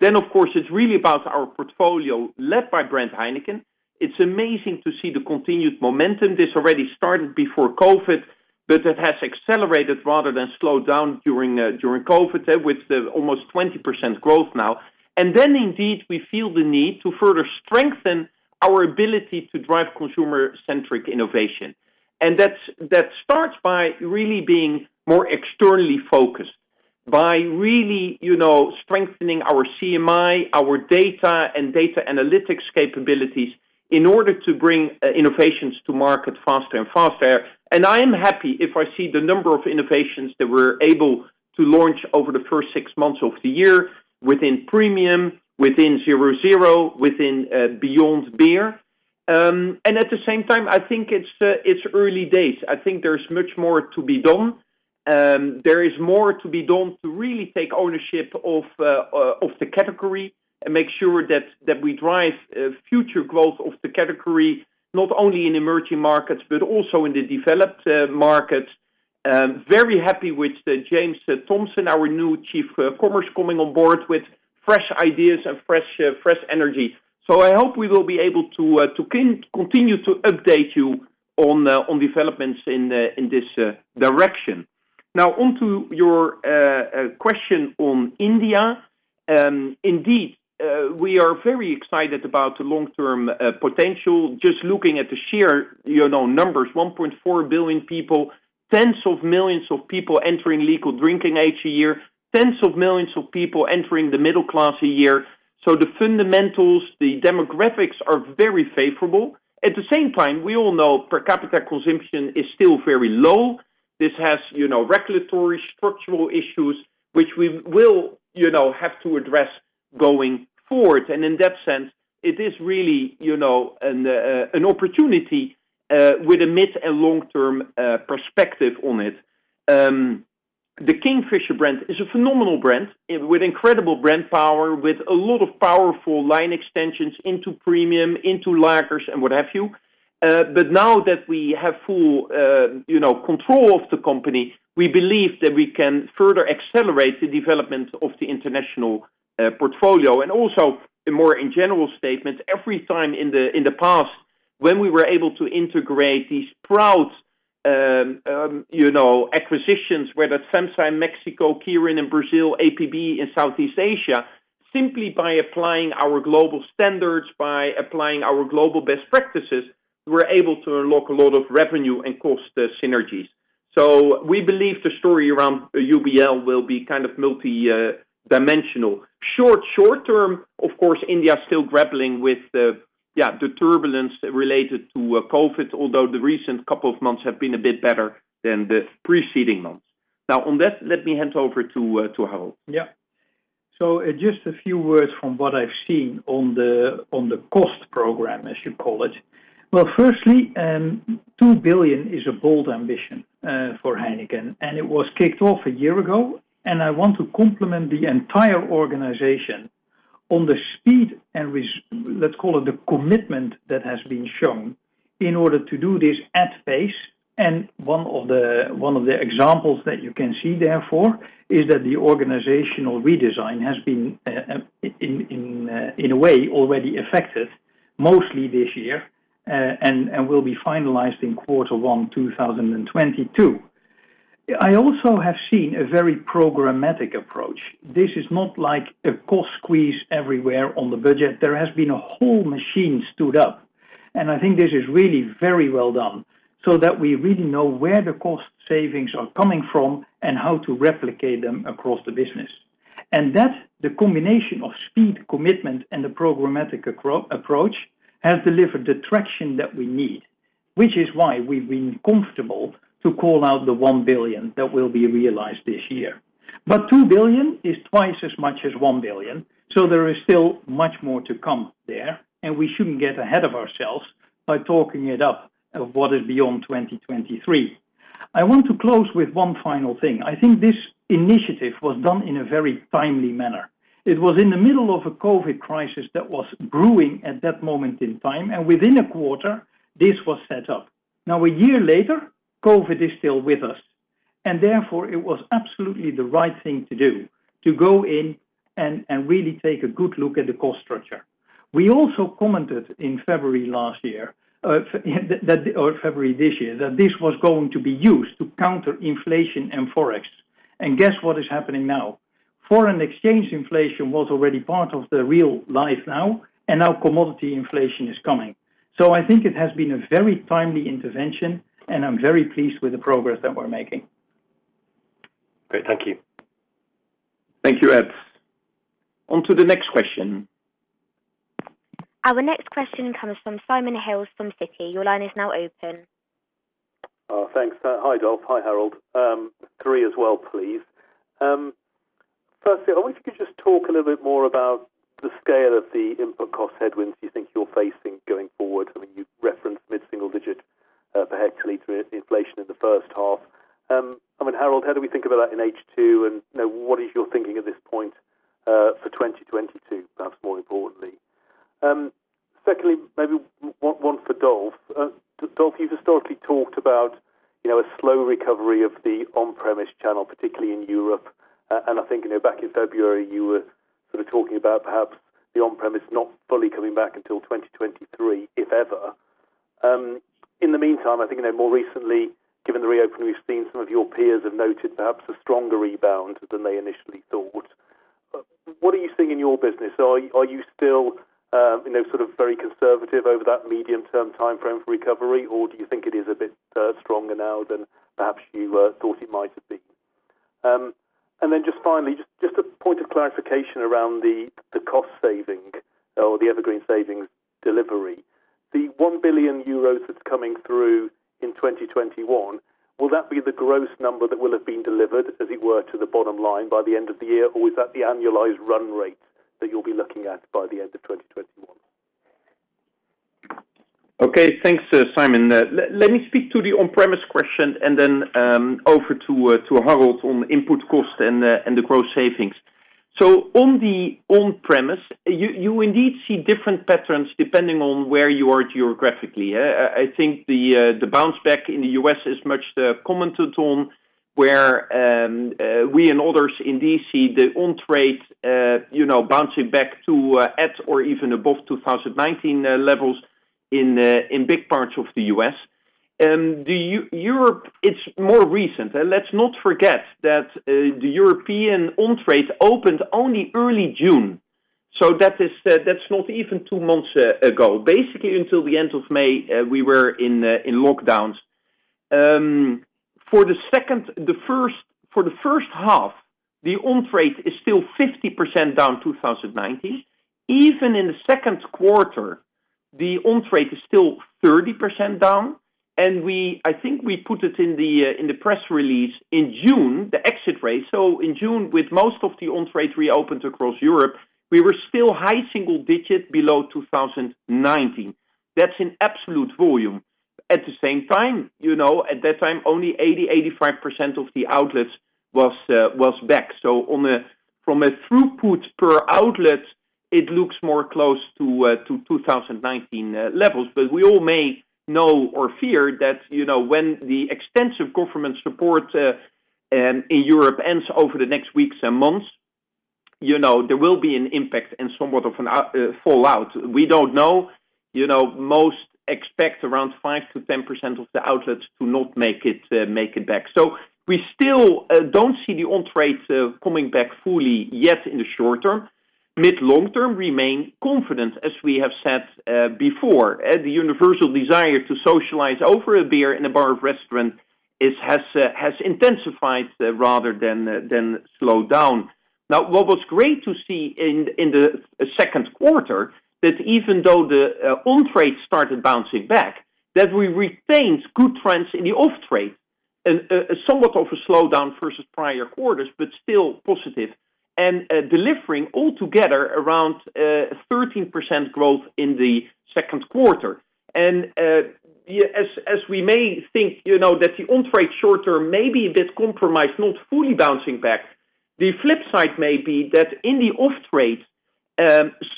Of course, it's really about our portfolio led by brand Heineken. It's amazing to see the continued momentum. This already started before COVID, but it has accelerated rather than slowed down during COVID, with almost 20% growth now. Indeed, we feel the need to further strengthen our ability to drive consumer-centric innovation. That starts by really being more externally focused, by really strengthening our CMI, our data, and data analytics capabilities in order to bring innovations to market faster and faster. I am happy if I see the number of innovations that we're able to launch over the first six months of the year within premium, within zero zero, within Beyond Beer. At the same time, I think it's early days. I think there's much more to be done. There is more to be done to really take ownership of the category and make sure that we drive future growth of the category, not only in emerging markets but also in the developed markets. Very happy with James Thompson, our new Chief Commerce, coming on board with fresh ideas and fresh energy. I hope we will be able to continue to update you on developments in this direction. Now on to your question on India. Indeed, we are very excited about the long-term potential. Just looking at the sheer numbers, 1.4 billion people, tens of millions of people entering legal drinking age a year, tens of millions of people entering the middle class a year. The fundamentals, the demographics are very favorable. At the same time, we all know per capita consumption is still very low. This has regulatory structural issues which we will have to address going forward. In that sense, it is really an opportunity with a mid and long-term perspective on it. The Kingfisher brand is a phenomenal brand with incredible brand power, with a lot of powerful line extensions into premium, into lagers, and what have you. Now that we have full control of the company, we believe that we can further accelerate the development of the international portfolio. Also, a more in general statement, every time in the past when we were able to integrate these proud acquisitions, whether FEMSA in Mexico, Kirin in Brazil, APB in Southeast Asia, simply by applying our global standards, by applying our global best practices, we're able to unlock a lot of revenue and cost synergies. We believe the story around UBL will be kind of multi-dimensional. Short-term, of course, India is still grappling with the turbulence related to COVID, although the recent couple of months have been a bit better than the preceding months. Now on that, let me hand over to Harold. Yeah. Just a few words from what I've seen on the cost program, as you call it. Well, firstly, 2 billion is a bold ambition for Heineken, and it was kicked off a year ago, and I want to compliment the entire organization on the speed and let's call it the commitment that has been shown in order to do this at pace. One of the examples that you can see, therefore, is that the organizational redesign has been, in a way, already effective mostly this year, and will be finalized in quarter one 2022. I also have seen a very programmatic approach. This is not like a cost squeeze everywhere on the budget. There has been a whole machine stood up, and I think this is really very well done, so that we really know where the cost savings are coming from and how to replicate them across the business. That, the combination of speed, commitment, and the programmatic approach, has delivered the traction that we need, which is why we've been comfortable to call out the one billion that will be realized this year. 2 billion is twice as much as 1 billion, so there is still much more to come there, and we shouldn't get ahead of ourselves by talking it up of what is beyond 2023. I want to close with one final thing. I think this initiative was done in a very timely manner. It was in the middle of a COVID crisis that was brewing at that moment in time, and within a quarter, this was set up. Now, a year later, COVID is still with us, and therefore it was absolutely the right thing to do, to go in and really take a good look at the cost structure. We also commented in February last year, or February this year, that this was going to be used to counter inflation and Forex. Guess what is happening now? Foreign exchange inflation was already part of the real life now, and now commodity inflation is coming. I think it has been a very timely intervention, and I'm very pleased with the progress that we're making. Great. Thank you. Thank you, Ed. On to the next question. Our next question comes from Simon Hales from Citi. Your line is now open. Oh, thanks. Hi, Dolf. Hi, Harold. Three as well, please. Firstly, I wonder if you could just talk a little bit more about the scale of the input cost headwinds you think you're facing going forward. You referenced mid-single digit per hectoliter inflation in the first half. Harold, how do we think about that in H2 and what is your thinking at this point, for 2022, perhaps more importantly? Secondly, maybe one for Dolf. Dolf, you've historically talked about a slow recovery of the on-premise channel, particularly in Europe. I think, back in February, you were sort of talking about perhaps the on-premise not fully coming back until 2023, if ever. In the meantime, I think more recently, given the reopening, we've seen some of your peers have noted perhaps a stronger rebound than they initially thought. What are you seeing in your business? Are you still very conservative over that medium-term timeframe for recovery, or do you think it is a bit stronger now than perhaps you thought it might have been? Just finally, just a point of clarification around the cost saving or the evergreen savings delivery. The 1 billion euros that's coming through in 2021, will that be the gross number that will have been delivered, as it were, to the bottom line by the end of the year, or is that the annualized run rate that you'll be looking at by the end of 2021? Okay. Thanks, Simon. Let me speak to the on-premise question and then, over to Harald on input cost and the gross savings. On the on-premise, you indeed see different patterns depending on where you are geographically. I think the bounce back in the U.S. is much commented on, where we and others in D.C., the on-trade bouncing back to at or even above 2019 levels in big parts of the U.S. Europe, it's more recent. Let's not forget that the European on-trade opened only early June, so that's not even two months ago. Basically, until the end of May, we were in lockdowns. For the first half, the on-trade is still 50% down 2019. Even in the second quarter, the on-trade is still 30% down, and I think we put it in the press release in June, the exit rate. In June, with most of the on-trade reopened across Europe, we were still high single digit below 2019. That's in absolute volume. At the same time, at that time, only 80%, 85% of the outlets was back. From a throughput per outlet, it looks more close to 2019 levels. We all may know or fear that when the extensive government support in Europe ends over the next weeks and months, there will be an impact and somewhat of a fallout. We don't know. Most expect around 5%-10% of the outlets to not make it back. We still don't see the on-trade coming back fully yet in the short-term. Mid, long-term, remain confident, as we have said before. The universal desire to socialize over a beer in a bar or restaurant has intensified rather than slowed down. Now, what was great to see in the second quarter, that even though the on-trade started bouncing back, that we retained good trends in the off-trade. Somewhat of a slowdown versus prior quarters, but still positive and delivering altogether around 13% growth in the second quarter. As we may think that the on-trade short-term may be a bit compromised, not fully bouncing back, the flip side may be that in the off-trade,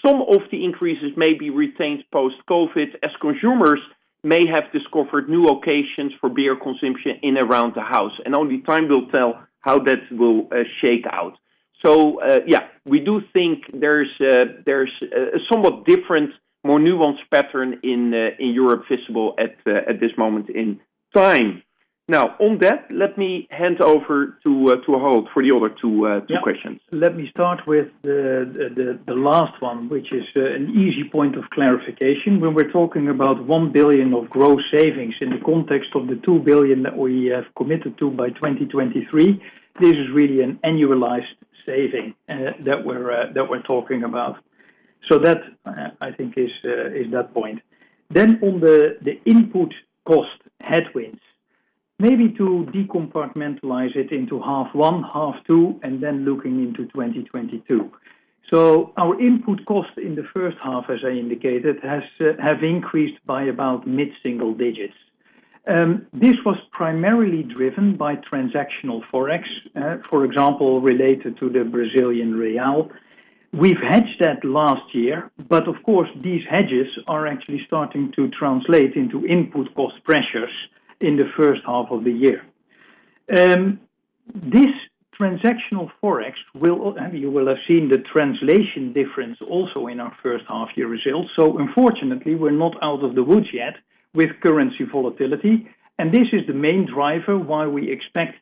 some of the increases may be retained post-COVID as consumers may have discovered new occasions for beer consumption in around the house, and only time will tell how that will shake out. Yeah, we do think there's a somewhat different, more nuanced pattern in Europe visible at this moment in time. Now, on that, let me hand over to Harold for the other two questions. Yeah. Let me start with the last one, which is an easy point of clarification. When we're talking about 1 billion of gross savings in the context of the 2 billion that we have committed to by 2023, this is really an annualized saving that we're talking about. That, I think, is that point. On the input cost headwinds, maybe to decompartmentalize it into half one, half two, and then looking into 2022. Our input cost in the first half, as I indicated, have increased by about mid-single digits. This was primarily driven by transactional Forex, for example, related to the Brazilian real. We've hedged that last year, but of course, these hedges are actually starting to translate into input cost pressures in the first half of the year. This transactional Forex, you will have seen the translation difference also in our first half year results. Unfortunately, we're not out of the woods yet. With currency volatility, and this is the main driver why we expect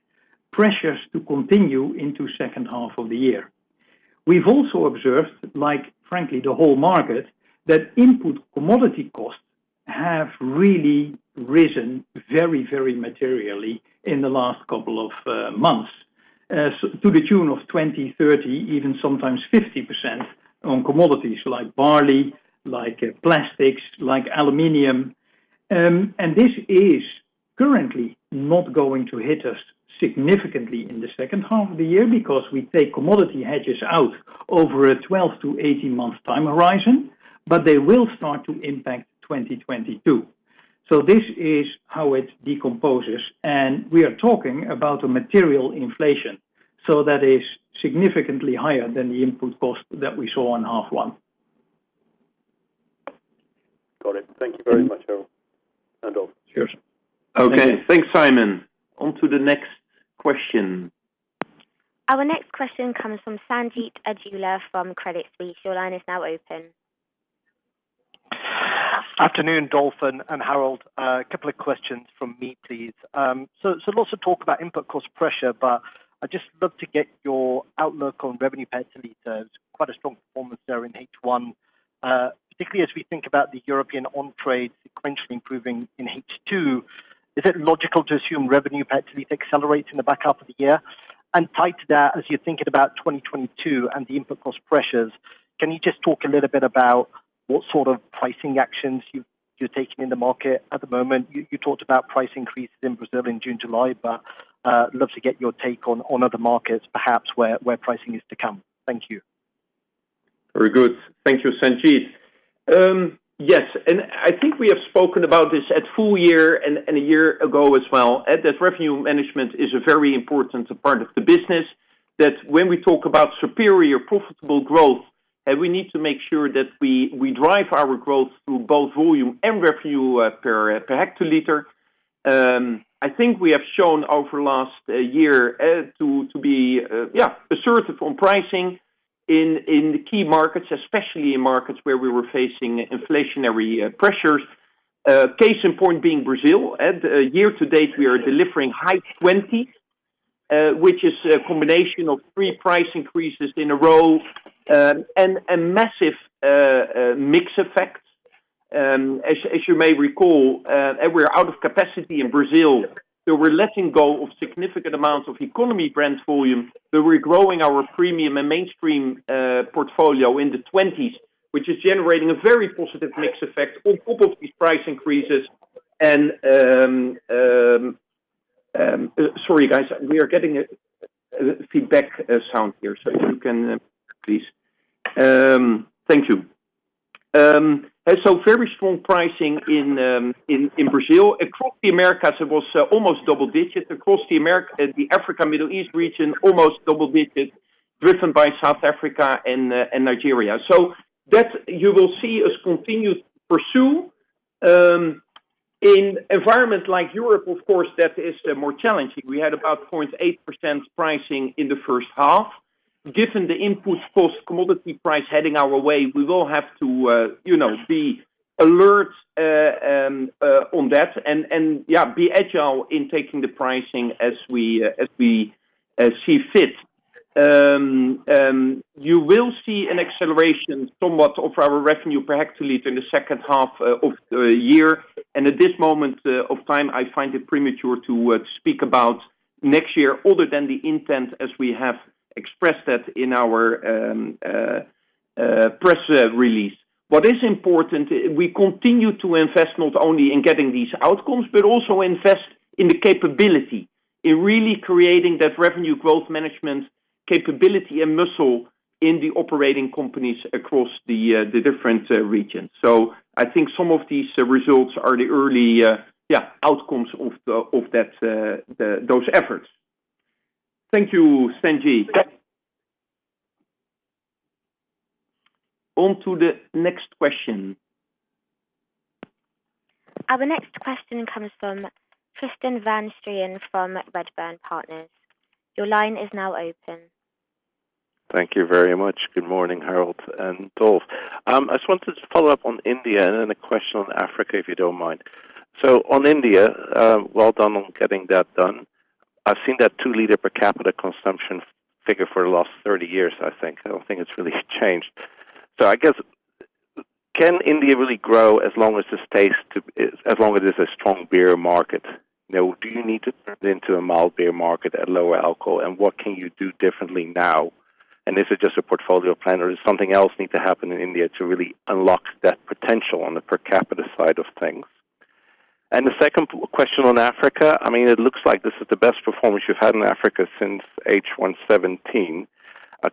pressures to continue into second half of the year. We've also observed, like frankly, the whole market, that input commodity costs have really risen very, very materially in the last couple of months, to the tune of 20, 30, even sometimes 50% on commodities like barley, like plastics, like aluminum. This is currently not going to hit us significantly in the second half of the year because we take commodity hedges out over a 12 to 18 month time horizon, but they will start to impact 2022. This is how it decomposes, and we are talking about a material inflation. That is significantly higher than the input cost that we saw in half one. Got it. Thank you very much, Harold and Dolf. Cheers. Okay. Thanks, Simon. On to the next question. Our next question comes from Sanjeet Aujla from Credit Suisse. Your line is now open. Afternoon, Dolf and Harold. A couple of questions from me, please. Lots of talk about input cost pressure, but I'd just love to get your outlook on revenue per hectoliters. Quite a strong performance there in H1, particularly as we think about the European on-trade sequentially improving in H2. Is it logical to assume revenue per hectoliters accelerates in the back half of the year? Tied to that, as you're thinking about 2022 and the input cost pressures, can you just talk a little bit about what sort of pricing actions you're taking in the market at the moment? You talked about price increases in Brazil in June, July, but love to get your take on other markets, perhaps where pricing is to come. Thank you. Very good. Thank you, Sanjeet. Yes, I think we have spoken about this at full year and a year ago as well, that revenue management is a very important part of the business, that when we talk about superior profitable growth, we need to make sure that we drive our growth through both volume and revenue per hectoliter. I think we have shown over last year to be assertive on pricing in the key markets, especially in markets where we were facing inflationary pressures. Case in point being Brazil. At year to date, we are delivering high 20%, which is a combination of three price increases in a row, and a massive mix effect. As you may recall, we're out of capacity in Brazil. We're letting go of significant amounts of economy brand volume, but we're growing our premium and mainstream portfolio in the 20s, which is generating a very positive mix effect on top of these price increases and Sorry, guys. We are getting a feedback sound here. If you can, please. Thank you. Very strong pricing in Brazil. Across the Americas, it was almost double digits. Across the Africa, Middle East region, almost double digits driven by South Africa and Nigeria. That you will see us continue to pursue. In environments like Europe, of course, that is more challenging. We had about 0.8% pricing in the first half. Given the input cost commodity price heading our way, we will have to be alert on that and, yeah, be agile in taking the pricing as we see fit. You will see an acceleration somewhat of our revenue per hectoliter in the second half of the year, and at this moment of time, I find it premature to speak about next year other than the intent as we have expressed that in our press release. What is important, we continue to invest not only in getting these outcomes, but also invest in the capability, in really creating that revenue growth management capability and muscle in the operating companies across the different regions. I think some of these results are the early outcomes of those efforts. Thank you, Sanjeet. On to the next question. Our next question comes from Tristan van Strien from Redburn Partners. Your line is now open. Thank you very much. Good morning, Harald and Dolf. I just wanted to follow up on India and then a question on Africa, if you don't mind. On India, well done on getting that done. I've seen that two liter per capita consumption figure for the last 30 years, I think. I don't think it's really changed. I guess, can India really grow as long as it is a strong beer market? Now, do you need to turn it into a mild beer market at lower alcohol, and what can you do differently now? Is it just a portfolio plan, or does something else need to happen in India to really unlock that potential on the per capita side of things? The second question on Africa, it looks like this is the best performance you've had in Africa since H1 2017. Can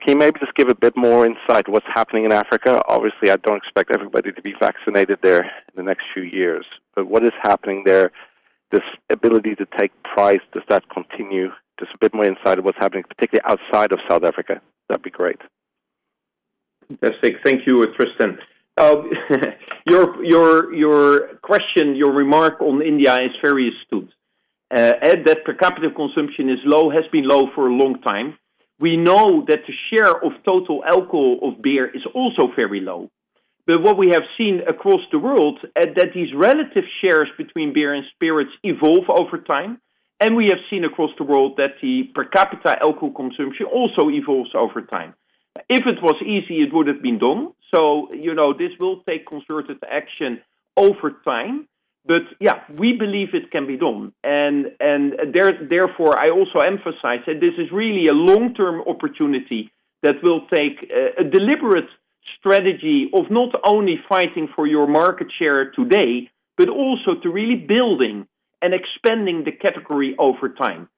you maybe just give a bit more insight what's happening in Africa? Obviously, I don't expect everybody to be vaccinated there in the next few years, but what is happening there, this ability to take price, does that continue? Just a bit more insight of what's happening, particularly outside of South Africa. That'd be great. Fantastic. Thank you, Tristan. Your question, your remark on India is very astute. That per capita consumption has been low for a long time. We know that the share of total alcohol of beer is also very low. What we have seen across the world, that these relative shares between beer and spirits evolve over time, and we have seen across the world that the per capita alcohol consumption also evolves over time. If it was easy, it would've been done. This will take concerted action over time. Yeah, we believe it can be done. Therefore, I also emphasize that this is really a long-term opportunity that will take a deliberate strategy of not only fighting for your market share today, but also to really building and expanding the category over time.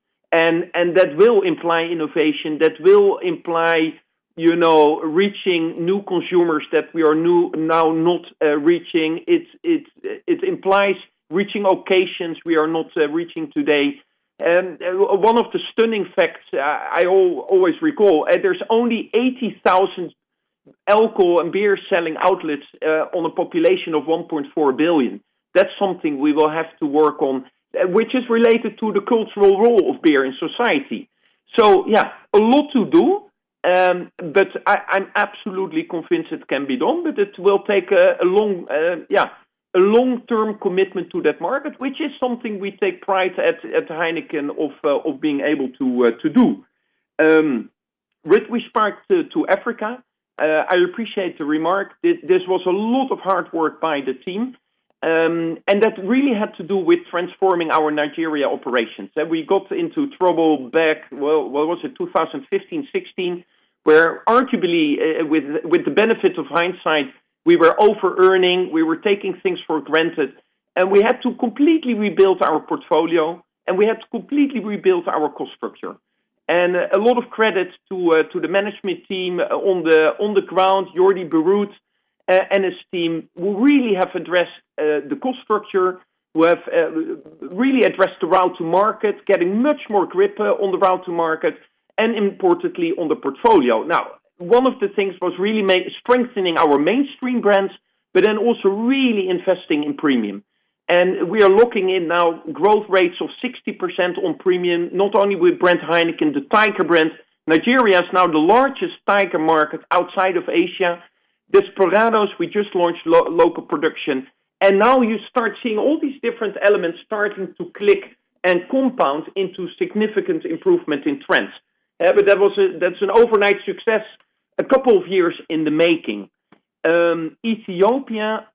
That will imply innovation. That will imply reaching new consumers that we are now not reaching. It implies reaching locations we are not reaching today. One of the stunning facts I always recall, there's only 80,000 alcohol and beer-selling outlets on a population of 1.4 billion. That's something we will have to work on, which is related to the cultural role of beer in society. Yeah, a lot to do, but I'm absolutely convinced it can be done, but it will take a long-term commitment to that market, which is something we take pride at Heineken of being able to do. With respect to Africa, I appreciate the remark. This was a lot of hard work by the team, and that really had to do with transforming our Nigeria operations. We got into trouble back, what was it? 2015, 2016, where arguably, with the benefit of hindsight, we were over-earning, we were taking things for granted, and we had to completely rebuild our portfolio, and we had to completely rebuild our cost structure. A lot of credit to the management team on the ground, Jordi Borrut and his team, who really have addressed the cost structure, who have really addressed the route to market, getting much more grip on the route to market, and importantly, on the portfolio. Now, one of the things was really strengthening our mainstream brands, but then also really investing in premium. We are looking in now growth rates of 60% on premium, not only with brand Heineken, the Tiger brand. Nigeria is now the largest Tiger market outside of Asia. Desperados, we just launched local production. Now you start seeing all these different elements starting to click and compound into significant improvement in trends. That's an overnight success, a couple of years in the making. Ethiopia,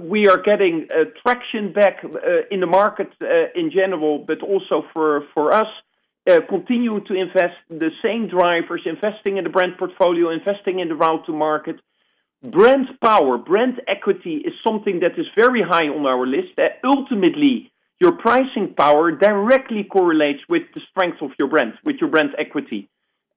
we are getting traction back in the market in general, but also for us, continuing to invest in the same drivers, investing in the brand portfolio, investing in the route to market. Brand power, brand equity is something that is very high on our list. Ultimately, your pricing power directly correlates with the strength of your brand, with your brand equity.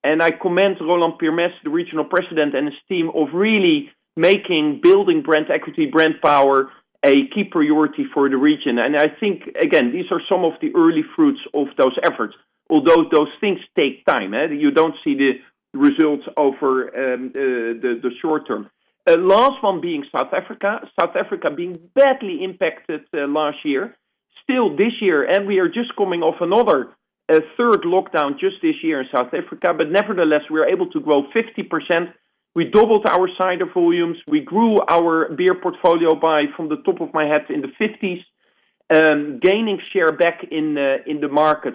I commend Roland Pirmez, the Regional President, and his team of really making, building brand equity, brand power, a key priority for the region. I think, again, these are some of the early fruits of those efforts, although those things take time. You don't see the results over the short term. Last one being South Africa. South Africa being badly impacted last year. Still this year, we are just coming off another, a third lockdown just this year in South Africa. Nevertheless, we are able to grow 50%. We doubled our cider volumes. We grew our beer portfolio by, from the top of my head, in the 50s, gaining share back in the market.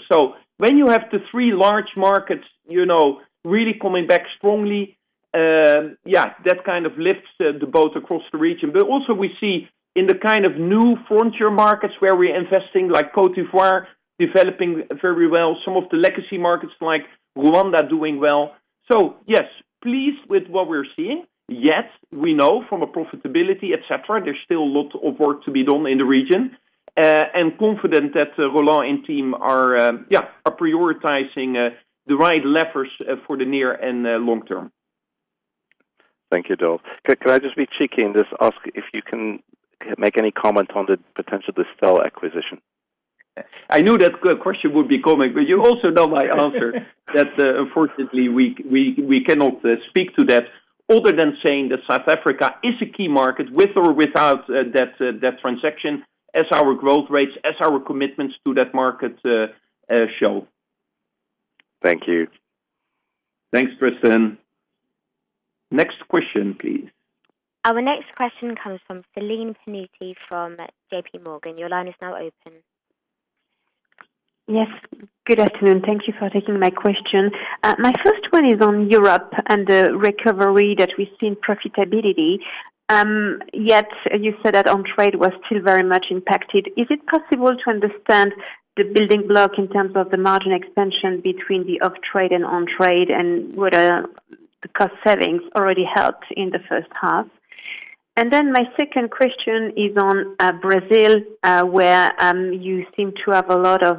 When you have the three large markets, really coming back strongly, yeah, that kind of lifts the boat across the region. Also we see in the kind of new frontier markets where we're investing, like Côte d'Ivoire, developing very well, some of the legacy markets like Rwanda doing well. Yes, pleased with what we're seeing. we know from a profitability, et cetera, there's still a lot of work to be done in the region, and confident that Roland Pirmez and team are prioritizing the right levers for the near and long term. Thank you, Dolf. Could I just be cheeky and just ask if you can make any comment on the potential Distell acquisition? I knew that question would be coming, but you also know my answer. That unfortunately, we cannot speak to that other than saying that South Africa is a key market with or without that transaction as our growth rates, as our commitments to that market show. Thank you. Thanks, Tristan. Next question, please. Our next question comes from Celine Pannuti from JPMorgan. Your line is now open. Yes. Good afternoon. Thank you for taking my question. My first one is on Europe and the recovery that we've seen profitability, yet you said that on-trade was still very much impacted. Is it possible to understand the building block in terms of the margin expansion between the off-trade and on-trade, and whether the cost savings already helped in the first half? My second question is on Brazil, where you seem to have a lot of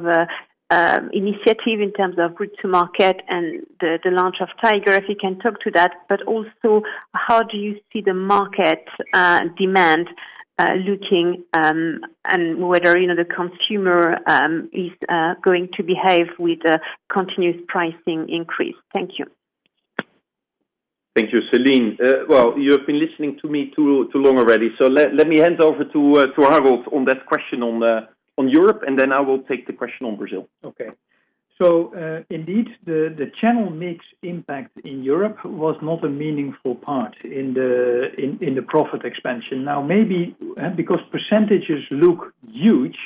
initiative in terms of route to market and the launch of Tiger, if you can talk to that, but also how do you see the market demand looking, and whether the consumer is going to behave with a continuous pricing increase? Thank you. Thank you, Celine. Well, you've been listening to me too long already. Let me hand over to Harold on that question on Europe. I will take the question on Brazil. Okay. Indeed, the channel mix impact in Europe was not a meaningful part in the profit expansion. Maybe because percentages look huge,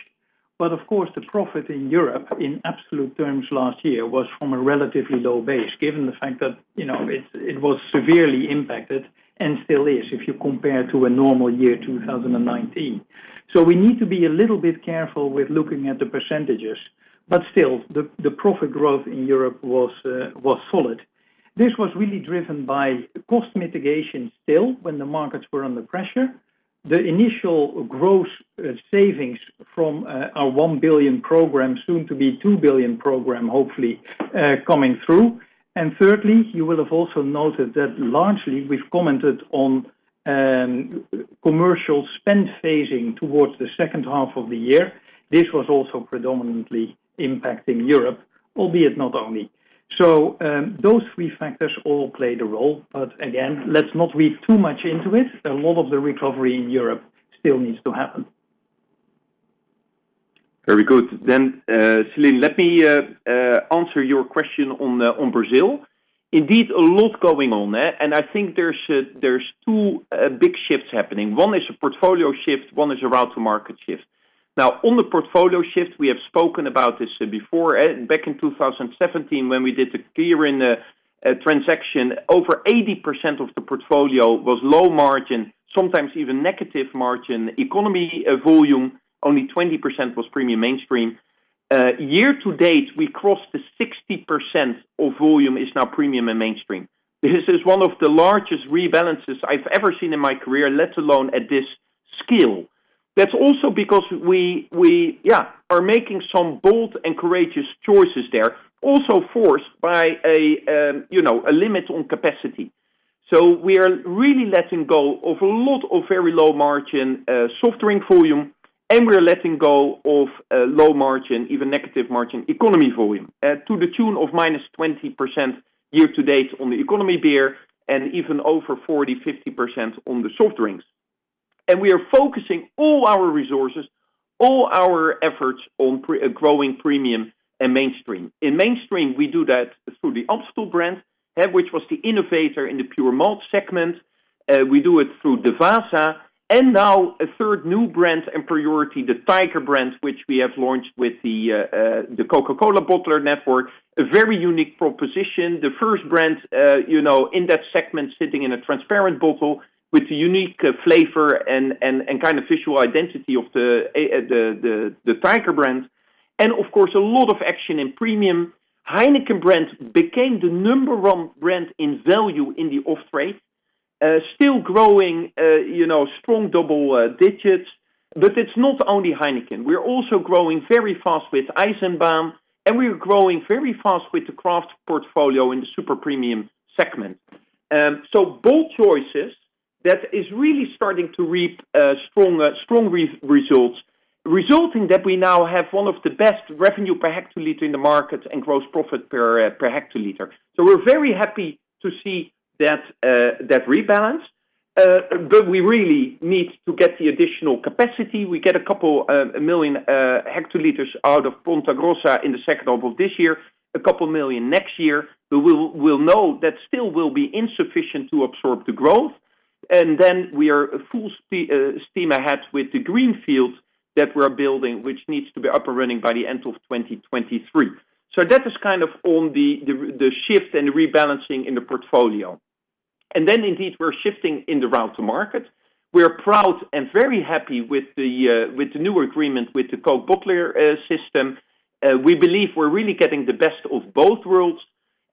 of course, the profit in Europe in absolute terms last year was from a relatively low base, given the fact that it was severely impacted and still is, if you compare to a normal year, 2019. We need to be a little bit careful with looking at the percentages, still, the profit growth in Europe was solid. This was really driven by cost mitigation still when the markets were under pressure, the initial gross savings from our 1 billion program, soon to be 2 billion program, hopefully, coming through. Thirdly, you will have also noted that largely we've commented on commercial spend phasing towards the second half of the year. This was also predominantly impacting Europe, albeit not only. Those three factors all played a role. Again, let's not read too much into it. A lot of the recovery in Europe still needs to happen. Very good. Celine, let me answer your question on Brazil. Indeed, a lot going on there, and I think there's two big shifts happening. One is a portfolio shift, one is a route to market shift. On the portfolio shift, we have spoken about this before. Back in 2017, when we did the Kirin transaction, over 80% of the portfolio was low margin, sometimes even negative margin economy volume, only 20% was premium mainstream. Year to date, we crossed the 60% of volume is now premium and mainstream. This is one of the largest rebalances I've ever seen in my career, let alone at this scale. That's also because we are making some bold and courageous choices there, also forced by a limit on capacity. We are really letting go of a lot of very low margin soft drink volume, and we're letting go of low margin, even negative margin economy volume, to the tune of -20% year to date on the economy beer and even over 40%-50% on the soft drinks. We are focusing all our resources, all our efforts on growing premium and mainstream. In mainstream, we do that through the Amstel brand, which was the innovator in the pure malt segment. We do it through Devassa and now a third new brand and priority, the Tiger brand, which we have launched with the Coca-Cola bottler network. A very unique proposition. The 1st brand in that segment, sitting in a transparent bottle with a unique flavor and kind of visual identity of the Tiger brand. Of course, a lot of action in premium. Heineken brand became the number 1 brand in value in the off-trade. Still growing strong double-digits. It's not only Heineken. We're also growing very fast with Eisenbahn, and we are growing very fast with the craft portfolio in the super premium segment. Bold choices that is really starting to reap strong results, resulting that we now have one of the best revenue per hectoliter in the market and gross profit per hectoliter. We're very happy to see that rebalance, we really need to get the additional capacity. We get 2 million hectoliters out of Ponta Grossa in the second half of this year, 2 million next year. We'll know that still will be insufficient to absorb the growth. We are full steam ahead with the greenfield that we're building, which needs to be up and running by the end of 2023. That is kind of on the shift and rebalancing in the portfolio. Indeed, we're shifting in the route to market. We're proud and very happy with the new agreement with the Coca-Cola bottler system. We believe we're really getting the best of both worlds.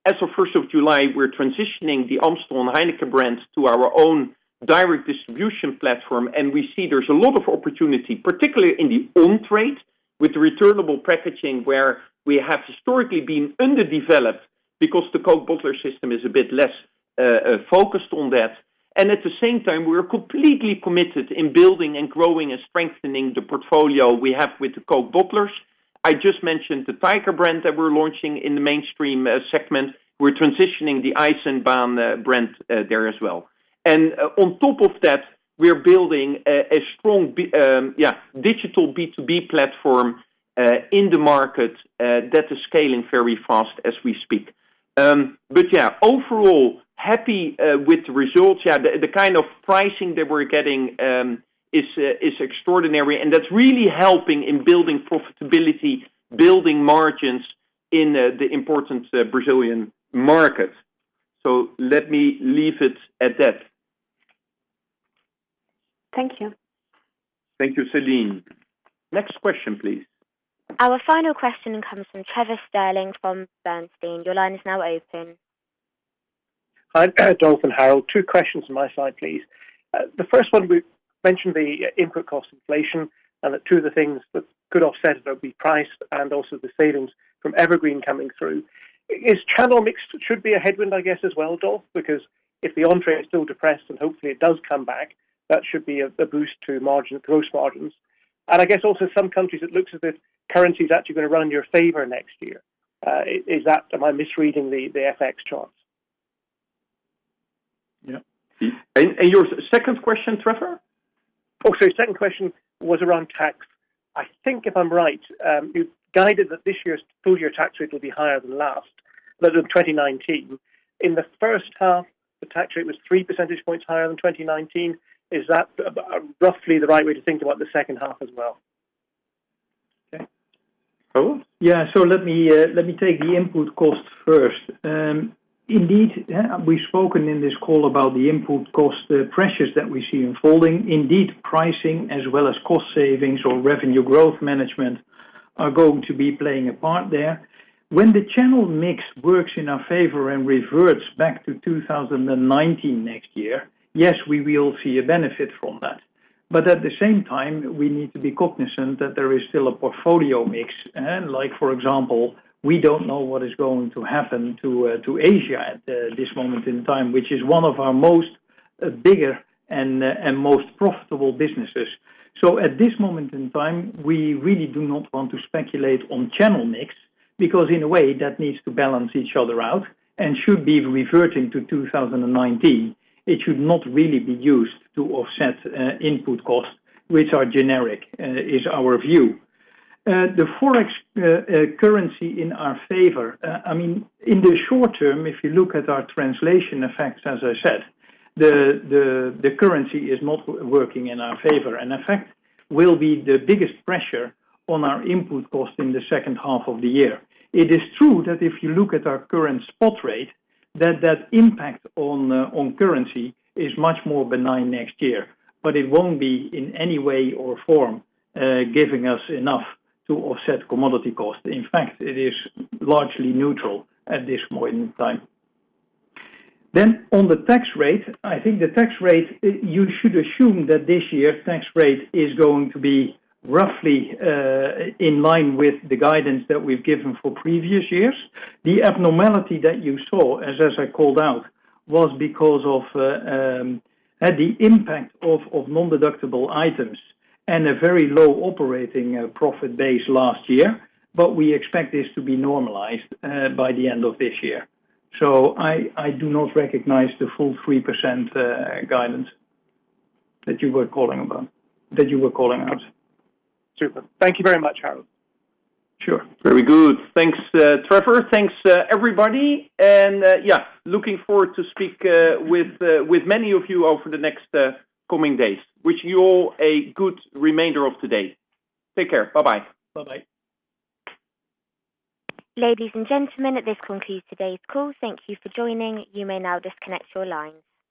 As of 1st of July, we're transitioning the Amstel and Heineken brands to our own direct distribution platform, and we see there's a lot of opportunity, particularly in the on-trade with returnable packaging, where we have historically been underdeveloped because the Coca-Cola bottler system is a bit less focused on that. At the same time, we're completely committed in building and growing and strengthening the portfolio we have with the Coca-Cola bottlers. I just mentioned the Tiger brand that we're launching in the mainstream segment. We're transitioning the Eisenbahn brand there as well. On top of that, we're building a strong digital B2B platform in the market that is scaling very fast as we speak. Yeah, overall, happy with the results. The kind of pricing that we're getting is extraordinary, and that's really helping in building profitability, building margins in the important Brazilian market. Let me leave it at that. Thank you. Thank you, Celine. Next question, please. Our final question comes from Trevor Stirling from Bernstein. Your line is now open. Hi, Dolf and Harald. Two questions on my side, please. The first one, we've mentioned the input cost inflation and that two of the things that could offset that would be price and also the savings from EverGreen coming through. Is channel mix should be a headwind, I guess, as well, Dolf? Because if the on-trade is still depressed, and hopefully it does come back, that should be a boost to gross margins. I guess also some countries it looks as if currency is actually going to run in your favor next year. Am I misreading the FX charts? Yeah. Your second question, Trevor? Okay. Second question was around tax. I think if I'm right, you guided that this year's full year tax rate will be higher than last, than 2019. In the first half, the tax rate was three percentage points higher than 2019. Is that roughly the right way to think about the second half as well? Okay. Harald? Yeah. Let me take the input cost first. Indeed, we've spoken in this call about the input cost, the pressures that we see unfolding. Indeed, pricing as well as cost savings or revenue growth management are going to be playing a part there. When the channel mix works in our favor and reverts back to 2019 next year, yes, we will see a benefit from that. At the same time, we need to be cognizant that there is still a portfolio mix. Like, for example, we don't know what is going to happen to Asia at this moment in time, which is one of our most bigger and most profitable businesses. At this moment in time, we really do not want to speculate on channel mix, because in a way that needs to balance each other out and should be reverting to 2019. It should not really be used to offset input costs, which are generic, is our view. The Forex currency in our favor. In the short term, if you look at our translation effects, as I said, the currency is not working in our favor, and in fact, will be the biggest pressure on our input cost in the second half of the year. It is true that if you look at our current spot rate, that impact on currency is much more benign next year, but it won't be in any way or form, giving us enough to offset commodity cost. In fact, it is largely neutral at this point in time. On the tax rate, I think the tax rate, you should assume that this year, tax rate is going to be roughly in line with the guidance that we've given for previous years. The abnormality that you saw, as I called out, was because of the impact of non-deductible items and a very low operating profit base last year. We expect this to be normalized by the end of this year. I do not recognize the full 3% guidance that you were calling out. Super. Thank you very much, Harold. Sure. Very good. Thanks, Trevor. Thanks, everybody. Yeah, looking forward to speak with many of you over the next coming days. Wish you all a good remainder of today. Take care. Bye-bye. Bye-bye. Ladies and gentlemen, this concludes today's call. Thank you for joining. You may now disconnect your lines.